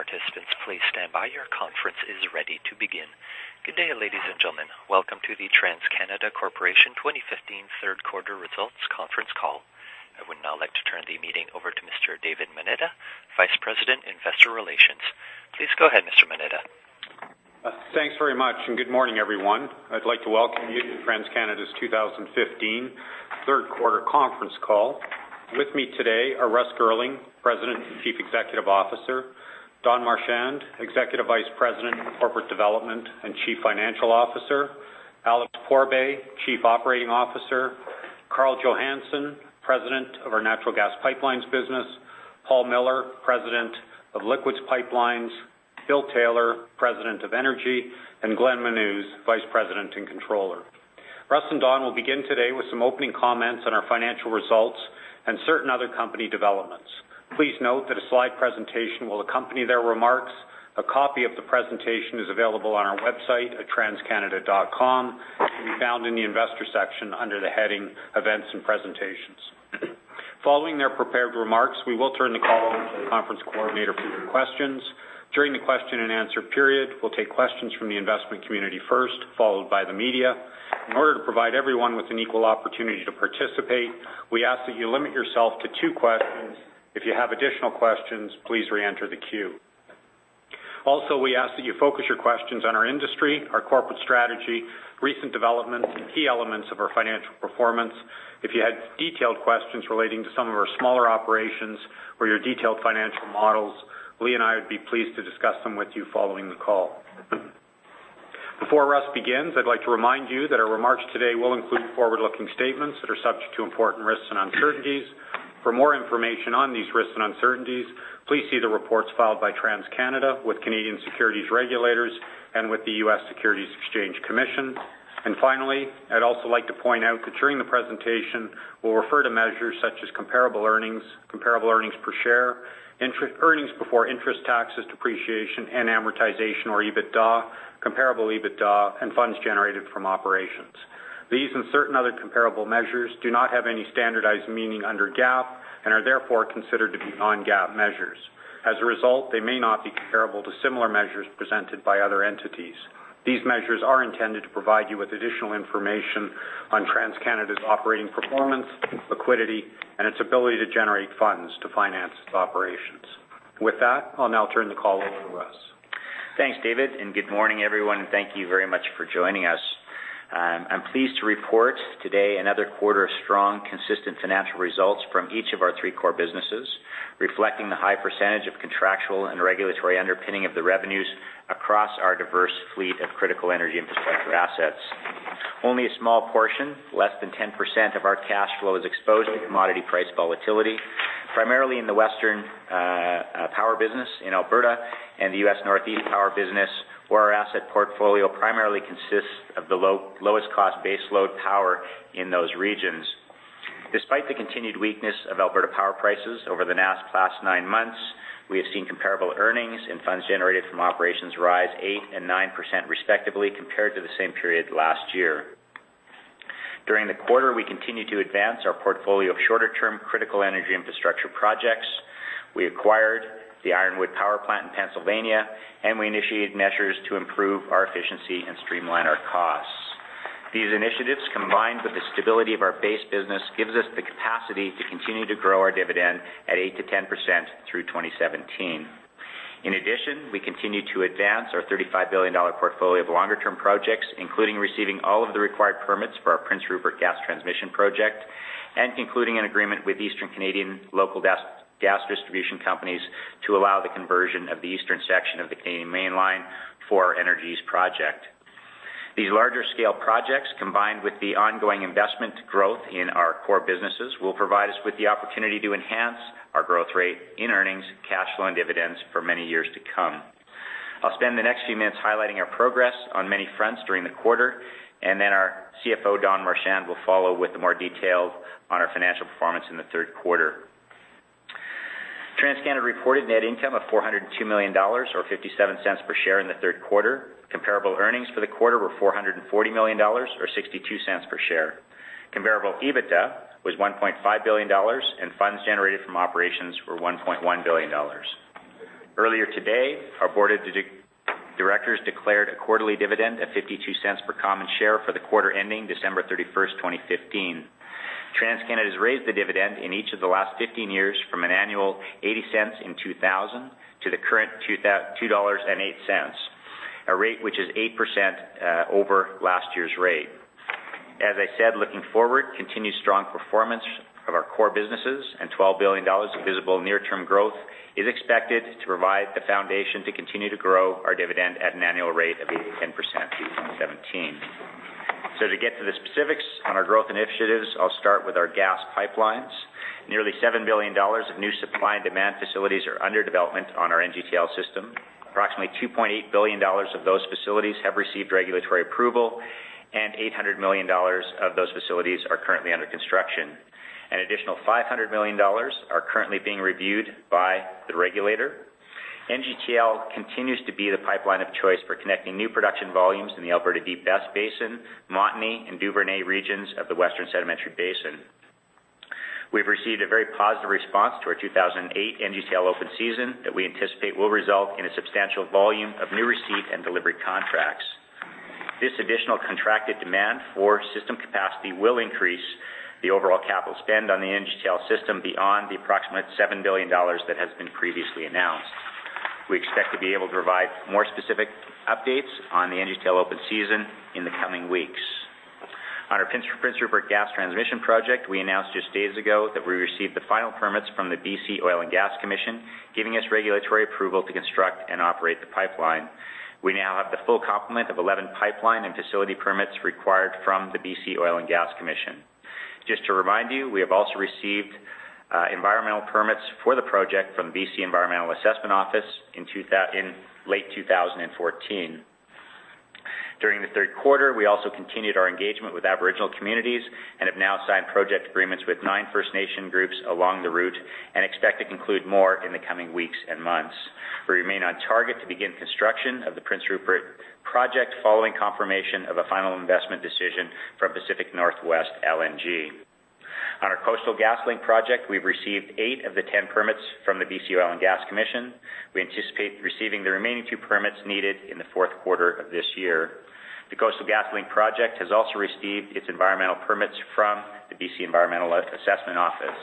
All participants, please stand by. Your conference is ready to begin. Good day, ladies and gentlemen. Welcome to the TransCanada Corporation 2015 third quarter results conference call. I would now like to turn the meeting over to Mr. David Moneta, Vice President, Investor Relations. Please go ahead, Mr. Moneta. Thanks very much. Good morning, everyone. I'd like to welcome you to TransCanada's 2015 third quarter conference call. With me today are Russ Girling, President and Chief Executive Officer, Don Marchand, Executive Vice President of Corporate Development and Chief Financial Officer, Alex Pourbaix, Chief Operating Officer, Karl Johannson, President, Natural Gas Pipelines, Paul Miller, President, Liquids Pipelines, Bill Taylor, President of Energy, and Glenn Menuz, Vice President and Controller. Russ and Don will begin today with some opening comments on our financial results and certain other company developments. Please note that a slide presentation will accompany their remarks. A copy of the presentation is available on our website at transcanada.com. It can be found in the investor section under the heading Events and Presentations. Following their prepared remarks, we will turn the call over to the conference coordinator for your questions. During the question and answer period, we'll take questions from the investment community first, followed by the media. In order to provide everyone with an equal opportunity to participate, we ask that you limit yourself to two questions. If you have additional questions, please re-enter the queue. We ask that you focus your questions on our industry, our corporate strategy, recent developments, and key elements of our financial performance. If you have detailed questions relating to some of our smaller operations or your detailed financial models, Lee and I would be pleased to discuss them with you following the call. Before Russ begins, I'd like to remind you that our remarks today will include forward-looking statements that are subject to important risks and uncertainties. For more information on these risks and uncertainties, please see the reports filed by TransCanada with Canadian securities regulators and with the U.S. Securities and Exchange Commission. Finally, I'd also like to point out that during the presentation, we'll refer to measures such as comparable earnings, comparable earnings per share, earnings before interest, taxes, depreciation and amortization or EBITDA, comparable EBITDA, and funds generated from operations. These and certain other comparable measures do not have any standardized meaning under GAAP and are therefore considered to be non-GAAP measures. As a result, they may not be comparable to similar measures presented by other entities. These measures are intended to provide you with additional information on TransCanada's operating performance, liquidity, and its ability to generate funds to finance its operations. With that, I'll now turn the call over to Russ. Thanks, David, and good morning, everyone. Thank you very much for joining us. I'm pleased to report today another quarter of strong, consistent financial results from each of our three core businesses, reflecting the high percentage of contractual and regulatory underpinning of the revenues across our diverse fleet of critical energy infrastructure assets. Only a small portion, less than 10% of our cash flow, is exposed to commodity price volatility, primarily in the Western power business in Alberta and the U.S. Northeast power business, where our asset portfolio primarily consists of the lowest-cost base load power in those regions. Despite the continued weakness of Alberta power prices over the past nine months, we have seen comparable earnings and funds generated from operations rise 8% and 9% respectively compared to the same period last year. During the quarter, we continued to advance our portfolio of shorter-term critical energy infrastructure projects. We acquired the Ironwood Power Plant in Pennsylvania. We initiated measures to improve our efficiency and streamline our costs. These initiatives, combined with the stability of our base business, gives us the capacity to continue to grow our dividend at 8%-10% through 2017. In addition, we continue to advance our 35 billion dollar portfolio of longer-term projects, including receiving all of the required permits for our Prince Rupert Gas Transmission project and concluding an agreement with Eastern Canadian local gas distribution companies to allow the conversion of the eastern section of the Canadian Mainline for our Energy East project. These larger-scale projects, combined with the ongoing investment growth in our core businesses, will provide us with the opportunity to enhance our growth rate in earnings, cash flow, and dividends for many years to come. I'll spend the next few minutes highlighting our progress on many fronts during the quarter. Our CFO, Don Marchand, will follow with more details on our financial performance in the third quarter. TransCanada reported net income of 402 million dollars, or 0.57 per share in the third quarter. Comparable earnings for the quarter were 440 million dollars, or 0.62 per share. Comparable EBITDA was 1.5 billion dollars. Funds generated from operations were 1.1 billion dollars. Earlier today, our board of directors declared a quarterly dividend of 0.52 per common share for the quarter ending December 31st, 2015. TransCanada has raised the dividend in each of the last 15 years from an annual 0.80 in 2000 to the current 2.08 dollars, a rate which is 8% over last year's rate. As I said, looking forward, continued strong performance of our core businesses and 12 billion dollars of visible near-term growth is expected to provide the foundation to continue to grow our dividend at an annual rate of 8%-10% through 2017. To get to the specifics on our growth initiatives, I'll start with our gas pipelines. Nearly 7 billion dollars of new supply and demand facilities are under development on our NGTL System. Approximately 2.8 billion dollars of those facilities have received regulatory approval. 800 million dollars of those facilities are currently under construction. An additional 500 million dollars are currently being reviewed by the regulator. NGTL continues to be the pipeline of choice for connecting new production volumes in the Alberta Deep Basin, Montney, and Duvernay regions of the Western Sedimentary Basin. We've received a very positive response to our 2008 NGTL open season that we anticipate will result in a substantial volume of new receipt and delivery contracts. This additional contracted demand for system capacity will increase the overall capital spend on the NGTL system beyond the approximate 7 billion dollars that has been previously announced. We expect to be able to provide more specific updates on the NGTL open season in the coming weeks. On our Prince Rupert Gas Transmission project, we announced just days ago that we received the final permits from the BC Oil and Gas Commission, giving us regulatory approval to construct and operate the pipeline. We now have the full complement of 11 pipeline and facility permits required from the BC Oil and Gas Commission. Just to remind you, we have also received environmental permits for the project from BC Environmental Assessment Office in late 2014. During the third quarter, we also continued our engagement with Aboriginal communities and have now signed project agreements with nine First Nation groups along the route and expect to conclude more in the coming weeks and months. We remain on target to begin construction of the Prince Rupert project following confirmation of a final investment decision from Pacific NorthWest LNG. On our Coastal GasLink project, we've received eight of the 10 permits from the BC Oil and Gas Commission. We anticipate receiving the remaining two permits needed in the fourth quarter of this year. The Coastal GasLink project has also received its environmental permits from the BC Environmental Assessment Office.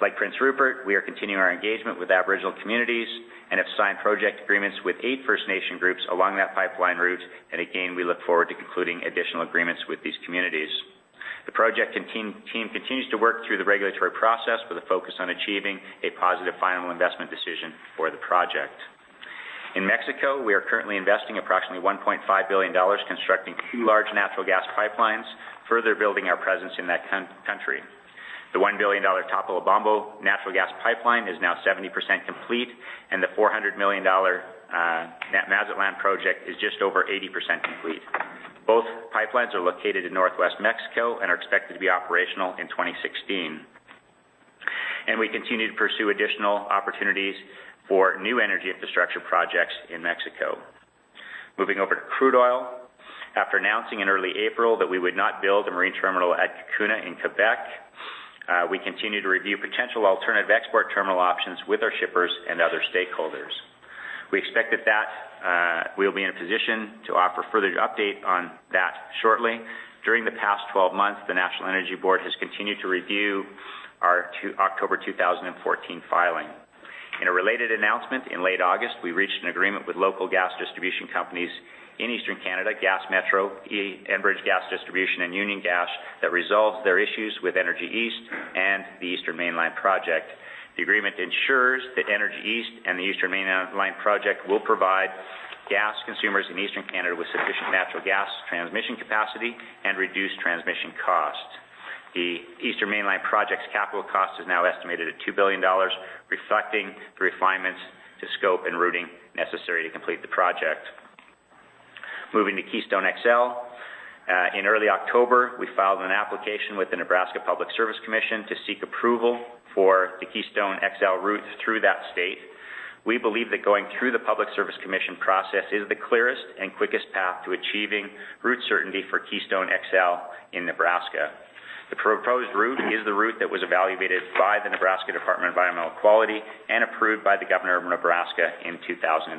Like Prince Rupert, we are continuing our engagement with Aboriginal communities and have signed project agreements with eight First Nation groups along that pipeline route, and again, we look forward to concluding additional agreements with these communities. The project team continues to work through the regulatory process with a focus on achieving a positive final investment decision for the project. In Mexico, we are currently investing approximately 1.5 billion dollars constructing two large natural gas pipelines, further building our presence in that country. The 1 billion dollar Topolobampo natural gas pipeline is now 70% complete, and the 400 million dollar Mazatlan project is just over 80% complete. Both pipelines are located in Northwest Mexico and are expected to be operational in 2016. We continue to pursue additional opportunities for new energy infrastructure projects in Mexico. Moving over to crude oil. After announcing in early April that we would not build a marine terminal at Cacouna in Quebec, we continue to review potential alternative export terminal options with our shippers and other stakeholders. We expect that we'll be in a position to offer further update on that shortly. During the past 12 months, the National Energy Board has continued to review our October 2014 filing. In a related announcement in late August, we reached an agreement with local gas distribution companies in Eastern Canada, Gaz Métro, Enbridge Gas Distribution, and Union Gas, that resolves their issues with Energy East and the Eastern Mainline project. The agreement ensures that Energy East and the Eastern Mainline project will provide gas consumers in Eastern Canada with sufficient natural gas transmission capacity and reduce transmission costs. The Eastern Mainline project's capital cost is now estimated at 2 billion dollars, reflecting the refinements to scope and routing necessary to complete the project. Moving to Keystone XL. In early October, we filed an application with the Nebraska Public Service Commission to seek approval for the Keystone XL route through that state. We believe that going through the Public Service Commission process is the clearest and quickest path to achieving route certainty for Keystone XL in Nebraska. The proposed route is the route that was evaluated by the Nebraska Department of Environmental Quality and approved by the Governor of Nebraska in 2013.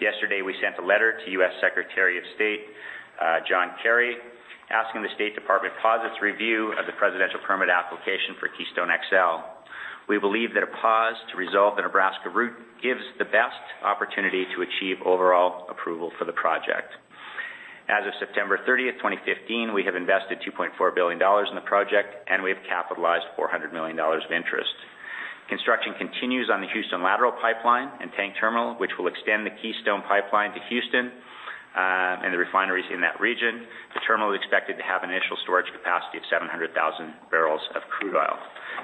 Yesterday, we sent a letter to U.S. Secretary of State, John Kerry, asking the State Department to pause its review of the presidential permit application for Keystone XL. We believe that a pause to resolve the Nebraska route gives the best opportunity to achieve overall approval for the project. As of September 30, 2015, we have invested 2.4 billion dollars in the project, and we have capitalized 400 million dollars of interest. Construction continues on the Houston Lateral Pipeline and tank terminal, which will extend the Keystone Pipeline to Houston, and the refineries in that region. The terminal is expected to have an initial storage capacity of 700,000 barrels of crude oil.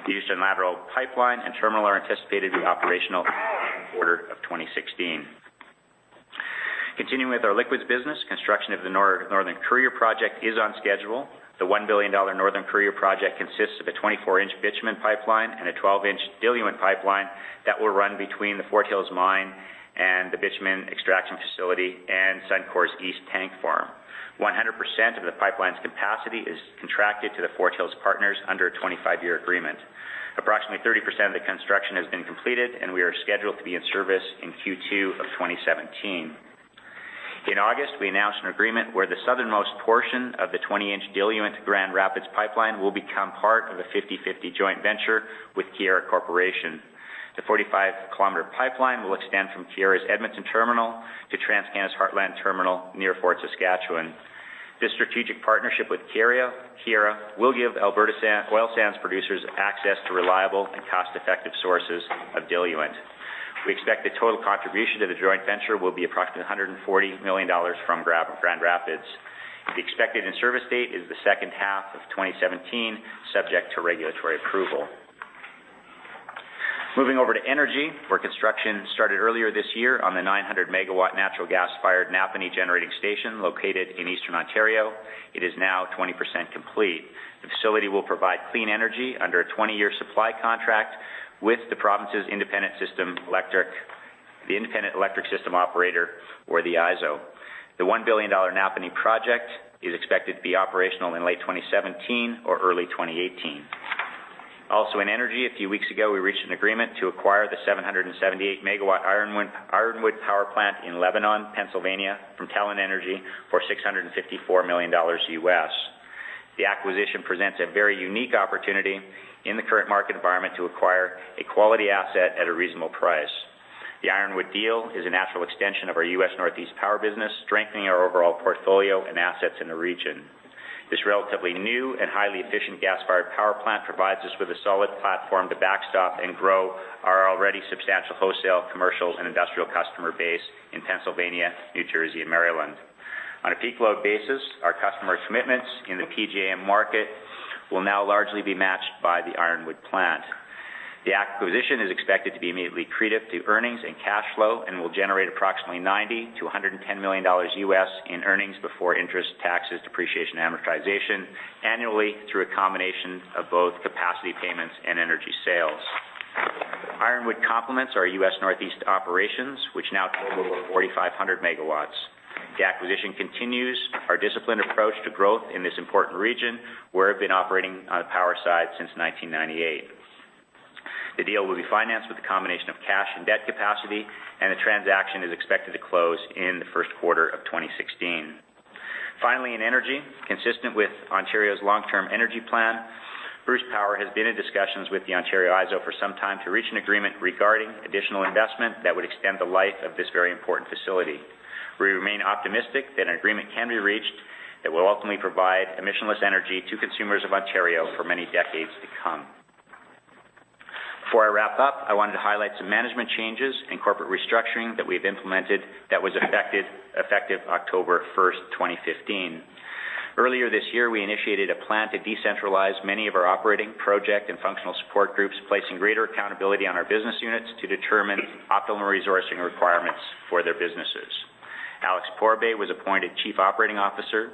The Houston Lateral Pipeline and terminal are anticipated to be operational in the second quarter of 2016. Continuing with our liquids business, construction of the Northern Courier Project is on schedule. The 1 billion dollar Northern Courier Project consists of a 24-inch bitumen pipeline and a 12-inch diluent pipeline that will run between the Fort Hills Mine and the bitumen extraction facility and Suncor's East Tank Farm. 100% of the pipeline's capacity is contracted to the Fort Hills Partners under a 25-year agreement. Approximately 30% of the construction has been completed, and we are scheduled to be in service in Q2 of 2017. In August, we announced an agreement where the southernmost portion of the 20-inch diluent Grand Rapids Pipeline will become part of a 50/50 joint venture with Keyera Corporation. The 45-kilometer pipeline will extend from Keyera's Edmonton terminal to TransCanada's Heartland terminal near Fort Saskatchewan. This strategic partnership with Keyera will give Alberta oil sands producers access to reliable and cost-effective sources of diluent. We expect the total contribution to the joint venture will be approximately 140 million dollars from Grand Rapids. The expected in-service date is the second half of 2017, subject to regulatory approval. Moving over to energy, where construction started earlier this year on the 900-megawatt natural gas-fired Napanee Generating Station located in Eastern Ontario. It is now 20% complete. The facility will provide clean energy under a 20-year supply contract with the province's Independent Electricity System Operator or the IESO. The 1 billion dollar Napanee Project is expected to be operational in late 2017 or early 2018. Also, in energy, a few weeks ago, we reached an agreement to acquire the 778-megawatt Ironwood Power Plant in Lebanon, Pennsylvania, from Talen Energy for $654 million. The acquisition presents a very unique opportunity in the current market environment to acquire a quality asset at a reasonable price. The Ironwood deal is a natural extension of our U.S. Northeast power business, strengthening our overall portfolio and assets in the region. This relatively new and highly efficient gas-fired power plant provides us with a solid platform to backstop and grow our already substantial wholesale, commercial, and industrial customer base in Pennsylvania, New Jersey, and Maryland. On a peak load basis, our customer commitments in the PJM market will now largely be matched by the Ironwood plant. The acquisition is expected to be immediately accretive to earnings and cash flow and will generate approximately $90 million-$110 million US in earnings before interest, taxes, depreciation, and amortization annually through a combination of both capacity payments and energy sales. Ironwood complements our U.S. Northeast operations, which now total over 4,500 megawatts. The acquisition continues our disciplined approach to growth in this important region, where we've been operating on the power side since 1998. The deal will be financed with a combination of cash and debt capacity, and the transaction is expected to close in the first quarter of 2016. Finally, in energy, consistent with Ontario's long-term energy plan, Bruce Power has been in discussions with the Ontario IESO for some time to reach an agreement regarding additional investment that would extend the life of this very important facility. We remain optimistic that an agreement can be reached that will ultimately provide emissionless energy to consumers of Ontario for many decades to come. Before I wrap up, I wanted to highlight some management changes and corporate restructuring that we've implemented that was effective October 1st, 2015. Earlier this year, we initiated a plan to decentralize many of our operating project and functional support groups, placing greater accountability on our business units to determine optimal resourcing requirements for their businesses. Alex Pourbaix was appointed Chief Operating Officer.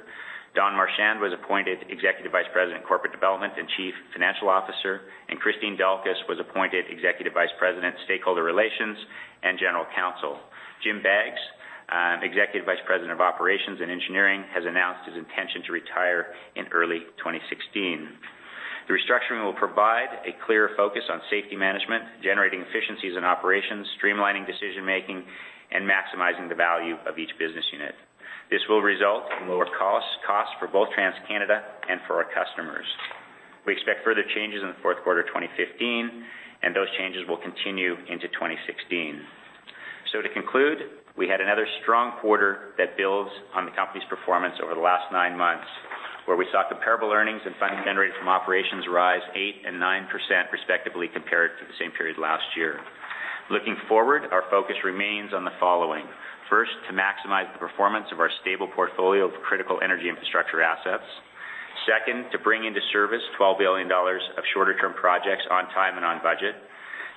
Don Marchand was appointed Executive Vice President, Corporate Development and Chief Financial Officer, and Kristine Delkus was appointed Executive Vice President, Stakeholder Relations and General Counsel. Jim Baggs, Executive Vice President of Operations and Engineering, has announced his intention to retire in early 2016. The restructuring will provide a clear focus on safety management, generating efficiencies in operations, streamlining decision-making, and maximizing the value of each business unit. This will result in lower costs for both TransCanada and for our customers. We expect further changes in the fourth quarter of 2015, and those changes will continue into 2016. To conclude, we had another strong quarter that builds on the company's performance over the last nine months, where we saw comparable earnings and funds generated from operations rise 8% and 9% respectively compared to the same period last year. Looking forward, our focus remains on the following. First, to maximize the performance of our stable portfolio of critical energy infrastructure assets. Second, to bring into service 12 billion dollars of shorter-term projects on time and on budget.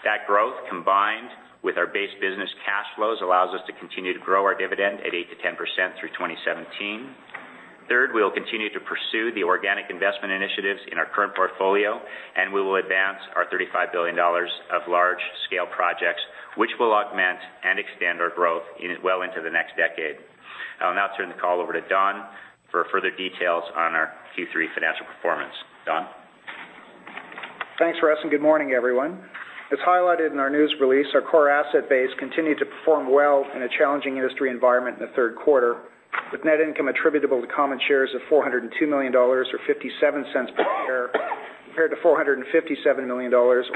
That growth, combined with our base business cash flows, allows us to continue to grow our dividend at 8%-10% through 2017. Third, we will continue to pursue the organic investment initiatives in our current portfolio, and we will advance our 35 billion dollars of large-scale projects, which will augment and extend our growth well into the next decade. I'll now turn the call over to Don for further details on our Q3 financial performance. Don? Thanks, Russ, and good morning, everyone. As highlighted in our news release, our core asset base continued to perform well in a challenging industry environment in the third quarter, with net income attributable to common shares of 402 million dollars or 0.57 per share, compared to 457 million dollars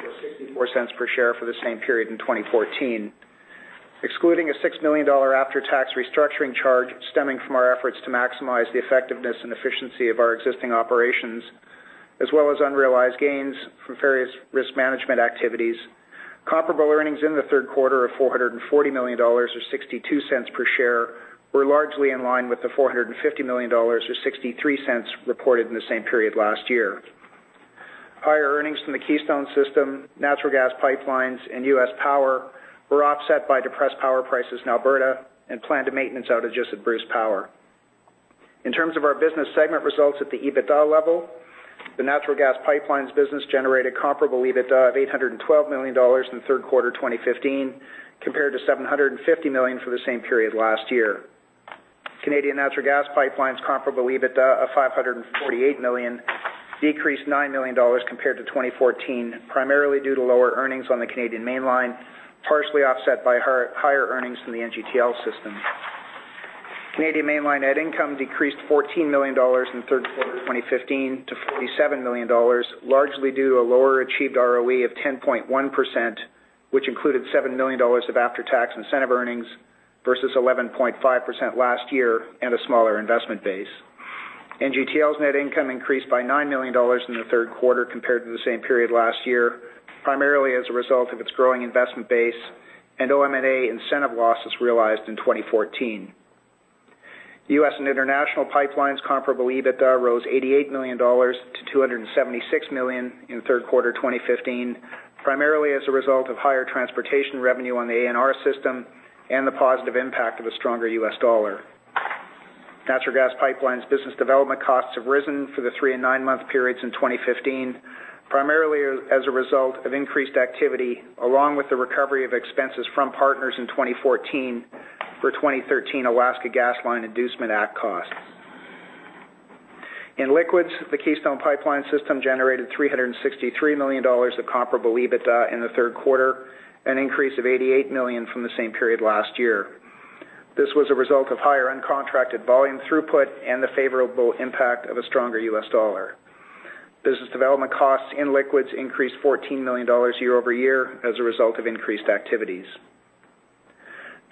or 0.64 per share for the same period in 2014. Excluding a 6 million dollar after-tax restructuring charge stemming from our efforts to maximize the effectiveness and efficiency of our existing operations, as well as unrealized gains from various risk management activities, comparable earnings in the third quarter of 440 million dollars or 0.62 per share were largely in line with the 450 million dollars or 0.63 reported in the same period last year. Higher earnings from the Keystone Pipeline System, natural gas pipelines, and U.S. power were offset by depressed power prices in Alberta and planned maintenance outages at Bruce Power. In terms of our business segment results at the EBITDA level, the natural gas pipelines business generated comparable EBITDA of 812 million dollars in the third quarter 2015, compared to 750 million for the same period last year. Canadian Natural Gas Pipelines' comparable EBITDA of 548 million decreased 9 million dollars compared to 2014, primarily due to lower earnings on the Canadian Mainline, partially offset by higher earnings from the NGTL System. Canadian Mainline net income decreased CAD 14 million in the third quarter 2015 to CAD 47 million, largely due to a lower achieved ROE of 10.1%, which included 7 million dollars of after-tax incentive earnings versus 11.5% last year and a smaller investment base. NGTL's net income increased by 9 million dollars in the third quarter compared to the same period last year, primarily as a result of its growing investment base and OM&A incentive losses realized in 2014. U.S. and international pipelines' comparable EBITDA rose 88 million dollars to 276 million in the third quarter 2015, primarily as a result of higher transportation revenue on the ANR Pipeline system and the positive impact of a stronger U.S. dollar. Natural gas pipelines business development costs have risen for the three and nine-month periods in 2015, primarily as a result of increased activity, along with the recovery of expenses from partners in 2014 for 2013 Alaska Gasline Inducement Act costs. In liquids, the Keystone Pipeline System generated 363 million dollars of comparable EBITDA in the third quarter, an increase of 88 million from the same period last year. This was a result of higher uncontracted volume throughput and the favorable impact of a stronger U.S. dollar. Business development costs in liquids increased 14 million dollars year-over-year as a result of increased activities.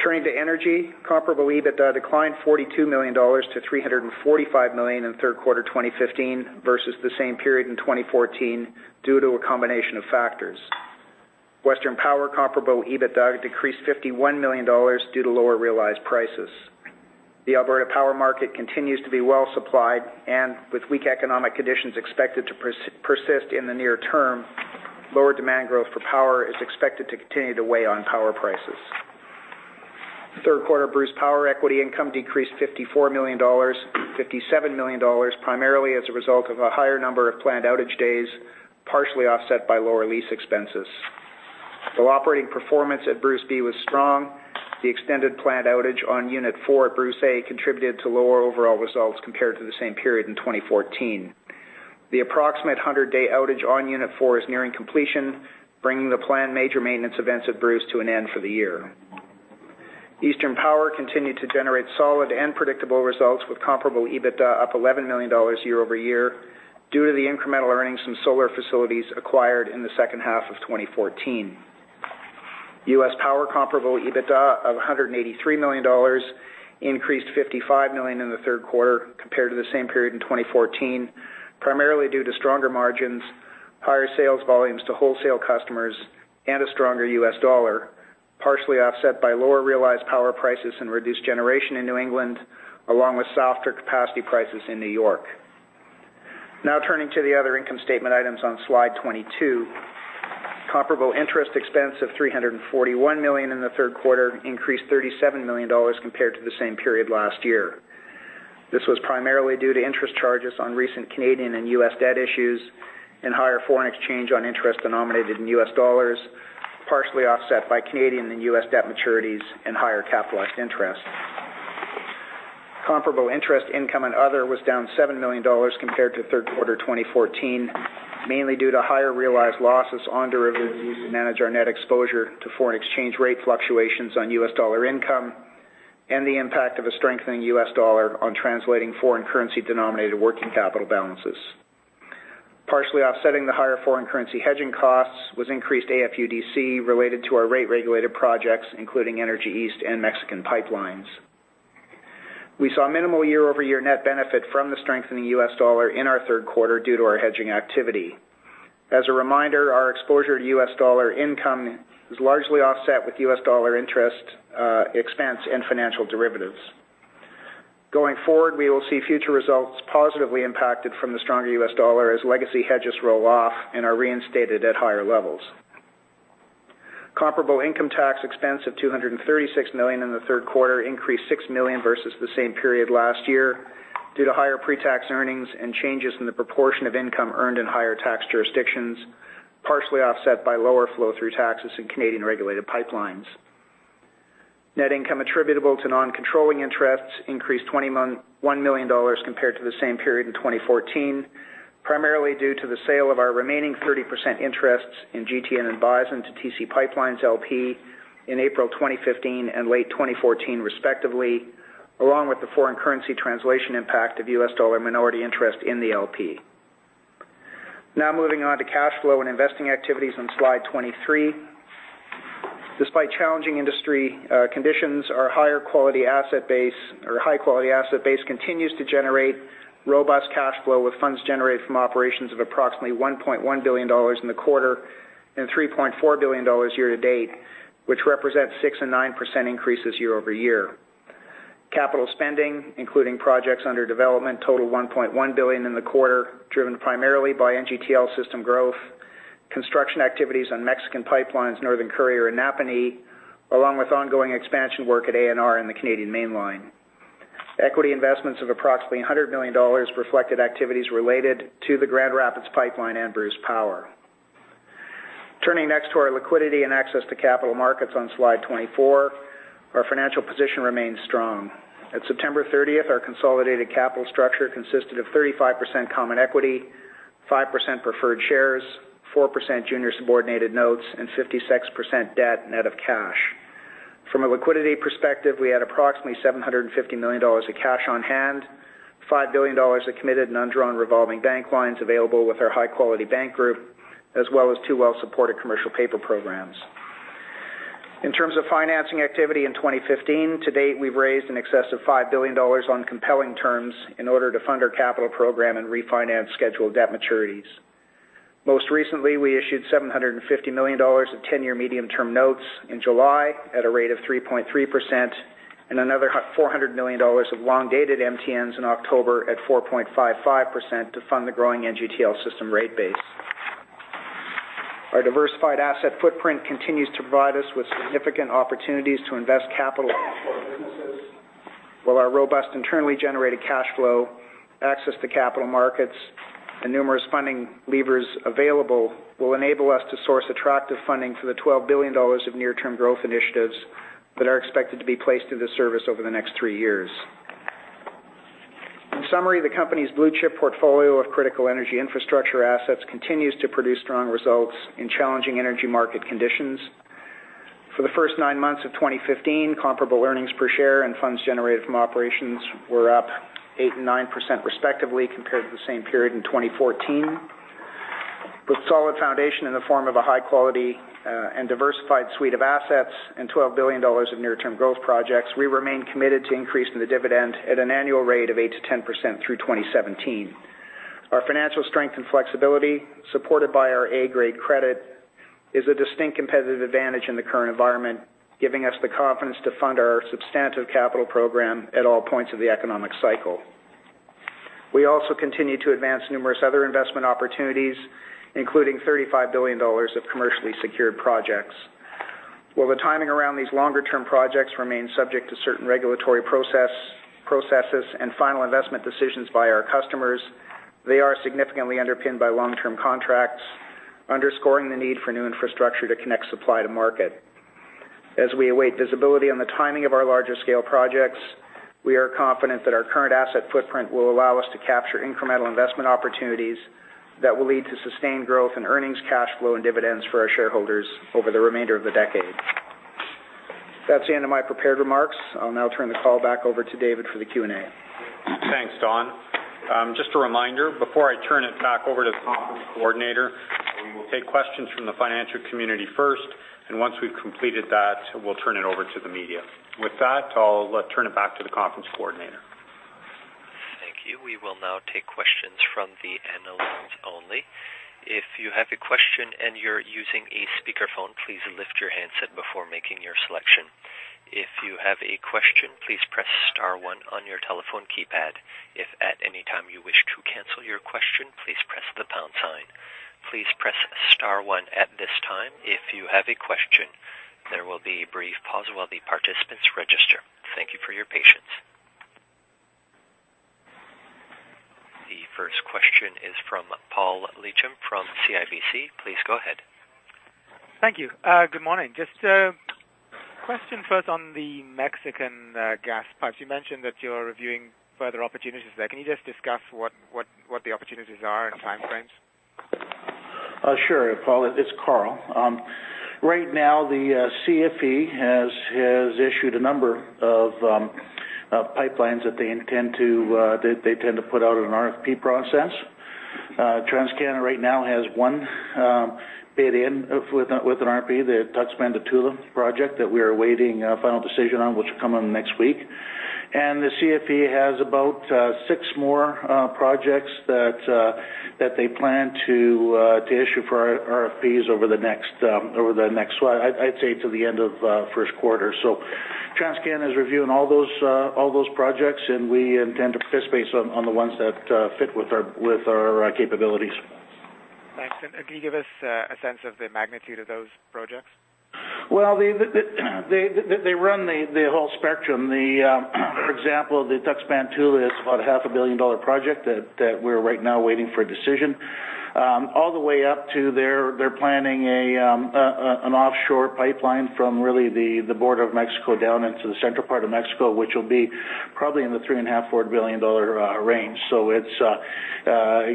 Turning to energy, comparable EBITDA declined 42 million dollars to 345 million in third quarter 2015 versus the same period in 2014 due to a combination of factors. Western Power comparable EBITDA decreased 51 million dollars due to lower realized prices. The Alberta power market continues to be well-supplied, and with weak economic conditions expected to persist in the near term, lower demand growth for power is expected to continue to weigh on power prices. Third quarter Bruce Power equity income decreased 54 million dollars, 57 million dollars, primarily as a result of a higher number of planned outage days, partially offset by lower lease expenses. Though operating performance at Bruce B was strong, the extended planned outage on Unit 4 at Bruce A contributed to lower overall results compared to the same period in 2014. The approximate 100-day outage on Unit 4 is nearing completion, bringing the planned major maintenance events at Bruce to an end for the year. Eastern Power continued to generate solid and predictable results with comparable EBITDA up 11 million dollars year-over-year due to the incremental earnings from solar facilities acquired in the second half of 2014. US Power comparable EBITDA of $183 million increased $55 million in the third quarter compared to the same period in 2014, primarily due to stronger margins, higher sales volumes to wholesale customers, and a stronger US dollar, partially offset by lower realized power prices and reduced generation in New England, along with softer capacity prices in New York. Turning to the other income statement items on slide 22. Comparable interest expense of 341 million in the third quarter increased 37 million dollars compared to the same period last year. This was primarily due to interest charges on recent Canadian and U.S. debt issues and higher foreign exchange on interest denominated in US dollars, partially offset by Canadian and U.S. debt maturities and higher capitalized interest. Comparable interest income and other was down $7 million compared to third quarter 2014, mainly due to higher realized losses on derivatives used to manage our net exposure to foreign exchange rate fluctuations on US dollar income and the impact of a strengthening US dollar on translating foreign currency denominated working capital balances. Partially offsetting the higher foreign currency hedging costs was increased AFUDC related to our rate regulator projects, including Energy East and Mexican pipelines. We saw minimal year-over-year net benefit from the strengthening US dollar in our third quarter due to our hedging activity. As a reminder, our exposure to US dollar income is largely offset with US dollar interest expense and financial derivatives. Going forward, we will see future results positively impacted from the stronger US dollar as legacy hedges roll off and are reinstated at higher levels. Comparable income tax expense of 236 million in the third quarter increased 6 million versus the same period last year due to higher pre-tax earnings and changes in the proportion of income earned in higher tax jurisdictions, partially offset by lower flow-through taxes in Canadian regulated pipelines. Net income attributable to non-controlling interests increased 21 million dollars compared to the same period in 2014, primarily due to the sale of our remaining 30% interests in GTN and Bison to TC PipeLines, LP in April 2015 and late 2014 respectively, along with the foreign currency translation impact of US dollar minority interest in the LP. Moving on to cash flow and investing activities on slide 23. Despite challenging industry conditions, our high-quality asset base continues to generate robust cash flow, with funds generated from operations of approximately 1.1 billion dollars in the quarter and 3.4 billion dollars year-to-date, which represents 6% and 9% increases year-over-year. Capital spending, including projects under development, totaled 1.1 billion in the quarter, driven primarily by NGTL System growth, construction activities on Mexican pipelines, Northern Courier, and Napanee, along with ongoing expansion work at ANR and the Canadian Mainline. Equity investments of approximately 100 million dollars reflected activities related to the Grand Rapids pipeline and Bruce Power. Turning next to our liquidity and access to capital markets on slide 24. Our financial position remains strong. At September 30th, our consolidated capital structure consisted of 35% common equity, 5% preferred shares, 4% junior subordinated notes, and 56% debt net of cash. From a liquidity perspective, we had approximately 750 million dollars of cash on hand, 5 billion dollars of committed and undrawn revolving bank lines available with our high-quality bank group, as well as two well-supported commercial paper programs. In terms of financing activity in 2015, to date, we've raised in excess of 5 billion dollars on compelling terms in order to fund our capital program and refinance scheduled debt maturities. Most recently, we issued 750 million dollars of 10-year MTNs in July at a rate of 3.3% and another 400 million dollars of long-dated MTNs in October at 4.55% to fund the growing NGTL System rate base. Our diversified asset footprint continues to provide us with significant opportunities to invest capital in core businesses. Our robust internally generated cash flow, access to capital markets, and numerous funding levers available will enable us to source attractive funding for the 12 billion dollars of near-term growth initiatives that are expected to be placed into service over the next three years. In summary, the company's blue-chip portfolio of critical energy infrastructure assets continues to produce strong results in challenging energy market conditions. For the first nine months of 2015, comparable earnings per share and funds generated from operations were up 8% and 9% respectively compared to the same period in 2014. With a solid foundation in the form of a high-quality and diversified suite of assets and 12 billion dollars of near-term growth projects, we remain committed to increasing the dividend at an annual rate of 8%-10% through 2017. Our financial strength and flexibility, supported by our A-grade credit, is a distinct competitive advantage in the current environment, giving us the confidence to fund our substantive capital program at all points of the economic cycle. We also continue to advance numerous other investment opportunities, including 35 billion dollars of commercially secured projects. The timing around these longer-term projects remains subject to certain regulatory processes and final investment decisions by our customers, they are significantly underpinned by long-term contracts, underscoring the need for new infrastructure to connect supply to market. As we await visibility on the timing of our larger-scale projects, we are confident that our current asset footprint will allow us to capture incremental investment opportunities that will lead to sustained growth in earnings, cash flow, and dividends for our shareholders over the remainder of the decade. That's the end of my prepared remarks. I'll now turn the call back over to David for the Q&A. Thanks, Don. Just a reminder, before I turn it back over to the conference coordinator, we will take questions from the financial community first, and once we've completed that, we'll turn it over to the media. With that, I'll turn it back to the conference coordinator. Thank you. We will now take questions from the analysts only. If you have a question and you're using a speakerphone, please lift your handset before making your selection. If you have a question, please press *1 on your telephone keypad. If at any time you wish to cancel your question, please press the # sign. Please press *1 at this time if you have a question. There will be a brief pause while the participants register. Thank you for your patience. The first question is from Paul Lechem from CIBC. Please go ahead. Thank you. Good morning. Just a question first on the Mexican gas pipes. You mentioned that you're reviewing further opportunities there. Can you just discuss what the opportunities are and time frames? Sure, Paul, it's Karl. Right now, the CFE has issued a number of pipelines that they intend to put out in an RFP process. TransCanada right now has one bid in with an RFP, the Tuxpan to Tula project, that we are awaiting a final decision on, which will come out next week. The CFE has about six more projects that they plan to issue for RFPs, I'd say, till the end of first quarter. TransCanada is reviewing all those projects, and we intend to participate on the ones that fit with our capabilities. Thanks. Can you give us a sense of the magnitude of those projects? Well, they run the whole spectrum. For example, the Tuxpan to Tula is about a half a billion dollar project that we're right now waiting for a decision, all the way up to they're planning an offshore pipeline from really the border of Mexico down into the central part of Mexico, which will be probably in the 3.5 billion-4 billion dollar range. Most of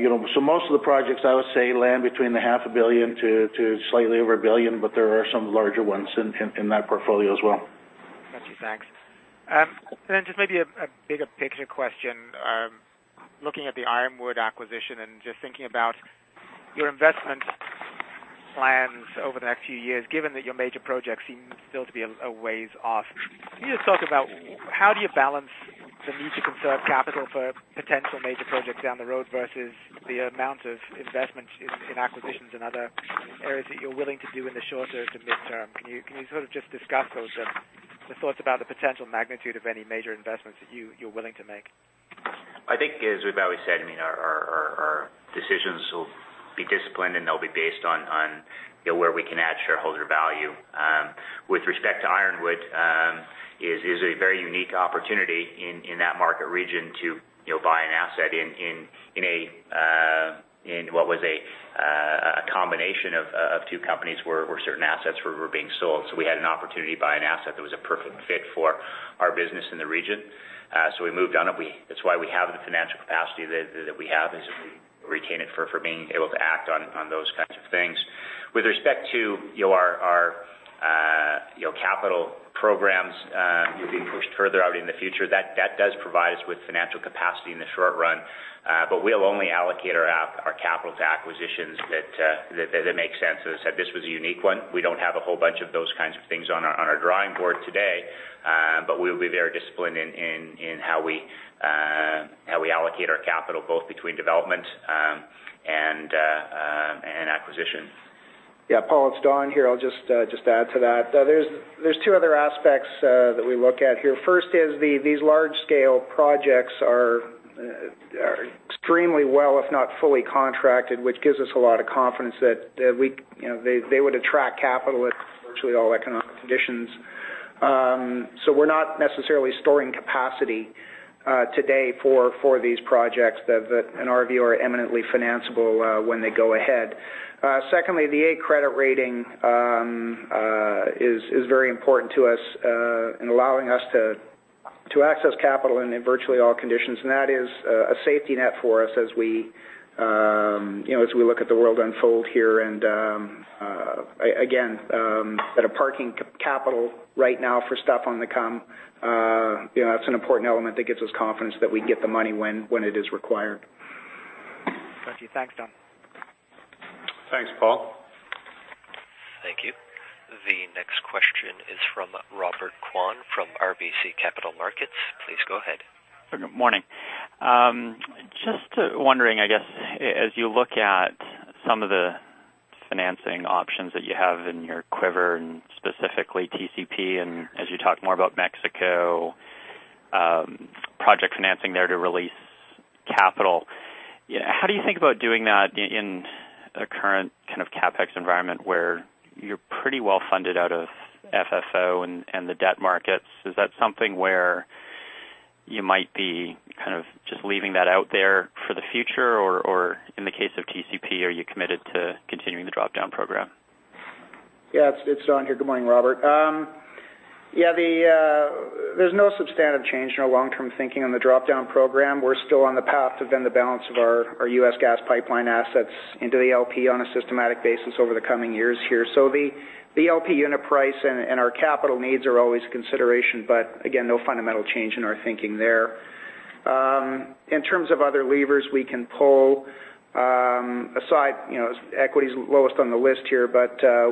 the projects, I would say, land between the half a billion to slightly over 1 billion, but there are some larger ones in that portfolio as well. Got you. Thanks. Then just maybe a bigger picture question. Looking at the Ironwood acquisition and just thinking about your investment plans over the next few years, given that your major projects seem still to be a ways off. Can you just talk about how do you balance the need to conserve capital for potential major projects down the road versus the amount of investment in acquisitions in other areas that you're willing to do in the short term to mid-term? Can you sort of just discuss those, the thoughts about the potential magnitude of any major investments that you're willing to make? I think, as we've always said, our decisions will be disciplined, and they'll be based on where we can add shareholder value. With respect to Ironwood, it is a very unique opportunity in that market region to buy an asset in what was a combination of two companies where certain assets were being sold. We had an opportunity to buy an asset that was a perfect fit for our business in the region. We moved on it. That's why we have the financial capacity that we have, is we retain it for being able to act on those kinds of things. With respect to our capital programs being pushed further out in the future, that does provide us with financial capacity in the short run. We'll only allocate our capital to acquisitions that make sense. As I said, this was a unique one. We don't have a whole bunch of those kinds of things on our drawing board today. We'll be very disciplined in how we allocate our capital, both between development and acquisition. Yeah, Paul, it's Don here. I'll just add to that. There's two other aspects that we look at here. First is these large-scale projects are extremely well, if not fully contracted, which gives us a lot of confidence that they would attract capital at virtually all economic conditions. We're not necessarily storing capacity today for these projects that, in our view, are eminently financeable when they go ahead. Secondly, the A credit rating is very important to us in allowing us to access capital in virtually all conditions. That is a safety net for us as we look at the world unfold here. Again, at a parking capital right now for stuff on the come, that's an important element that gives us confidence that we can get the money when it is required. Got you. Thanks, Don. Thanks, Paul. Thank you. The next question is from Robert Kwan from RBC Capital Markets. Please go ahead. Good morning. Just wondering, I guess, as you look at some of the financing options that you have in your quiver and specifically TCP, as you talk more about Mexico project financing there to release capital, how do you think about doing that in a current kind of CapEx environment where you're pretty well-funded out of FFO and the debt markets? Is that something where you might be just leaving that out there for the future? In the case of TCP, are you committed to continuing the drop-down program? Yeah, it's Don here. Good morning, Robert. There's no substantive change in our long-term thinking on the drop-down program. We're still on the path to vend the balance of our U.S. gas pipeline assets into the LP on a systematic basis over the coming years here. The LP unit price and our capital needs are always a consideration. Again, no fundamental change in our thinking there. In terms of other levers we can pull, aside, equity's lowest on the list here.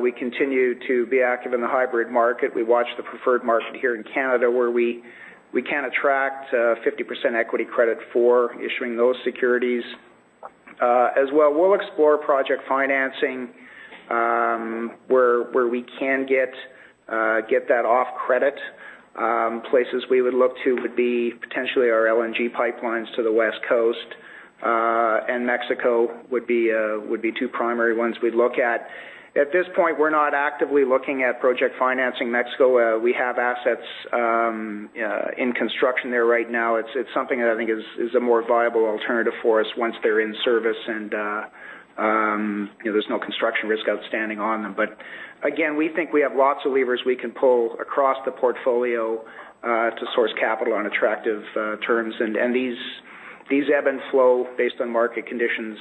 We continue to be active in the hybrid market. We watch the preferred market here in Canada where we can attract 50% equity credit for issuing those securities. We'll explore project financing where we can get that off credit. Places we would look to would be potentially our LNG pipelines to the West Coast, and Mexico would be two primary ones we'd look at. At this point, we're not actively looking at project financing Mexico. We have assets in construction there right now. It's something that I think is a more viable alternative for us once they're in service and there's no construction risk outstanding on them. Again, we think we have lots of levers we can pull across the portfolio to source capital on attractive terms. These ebb and flow based on market conditions.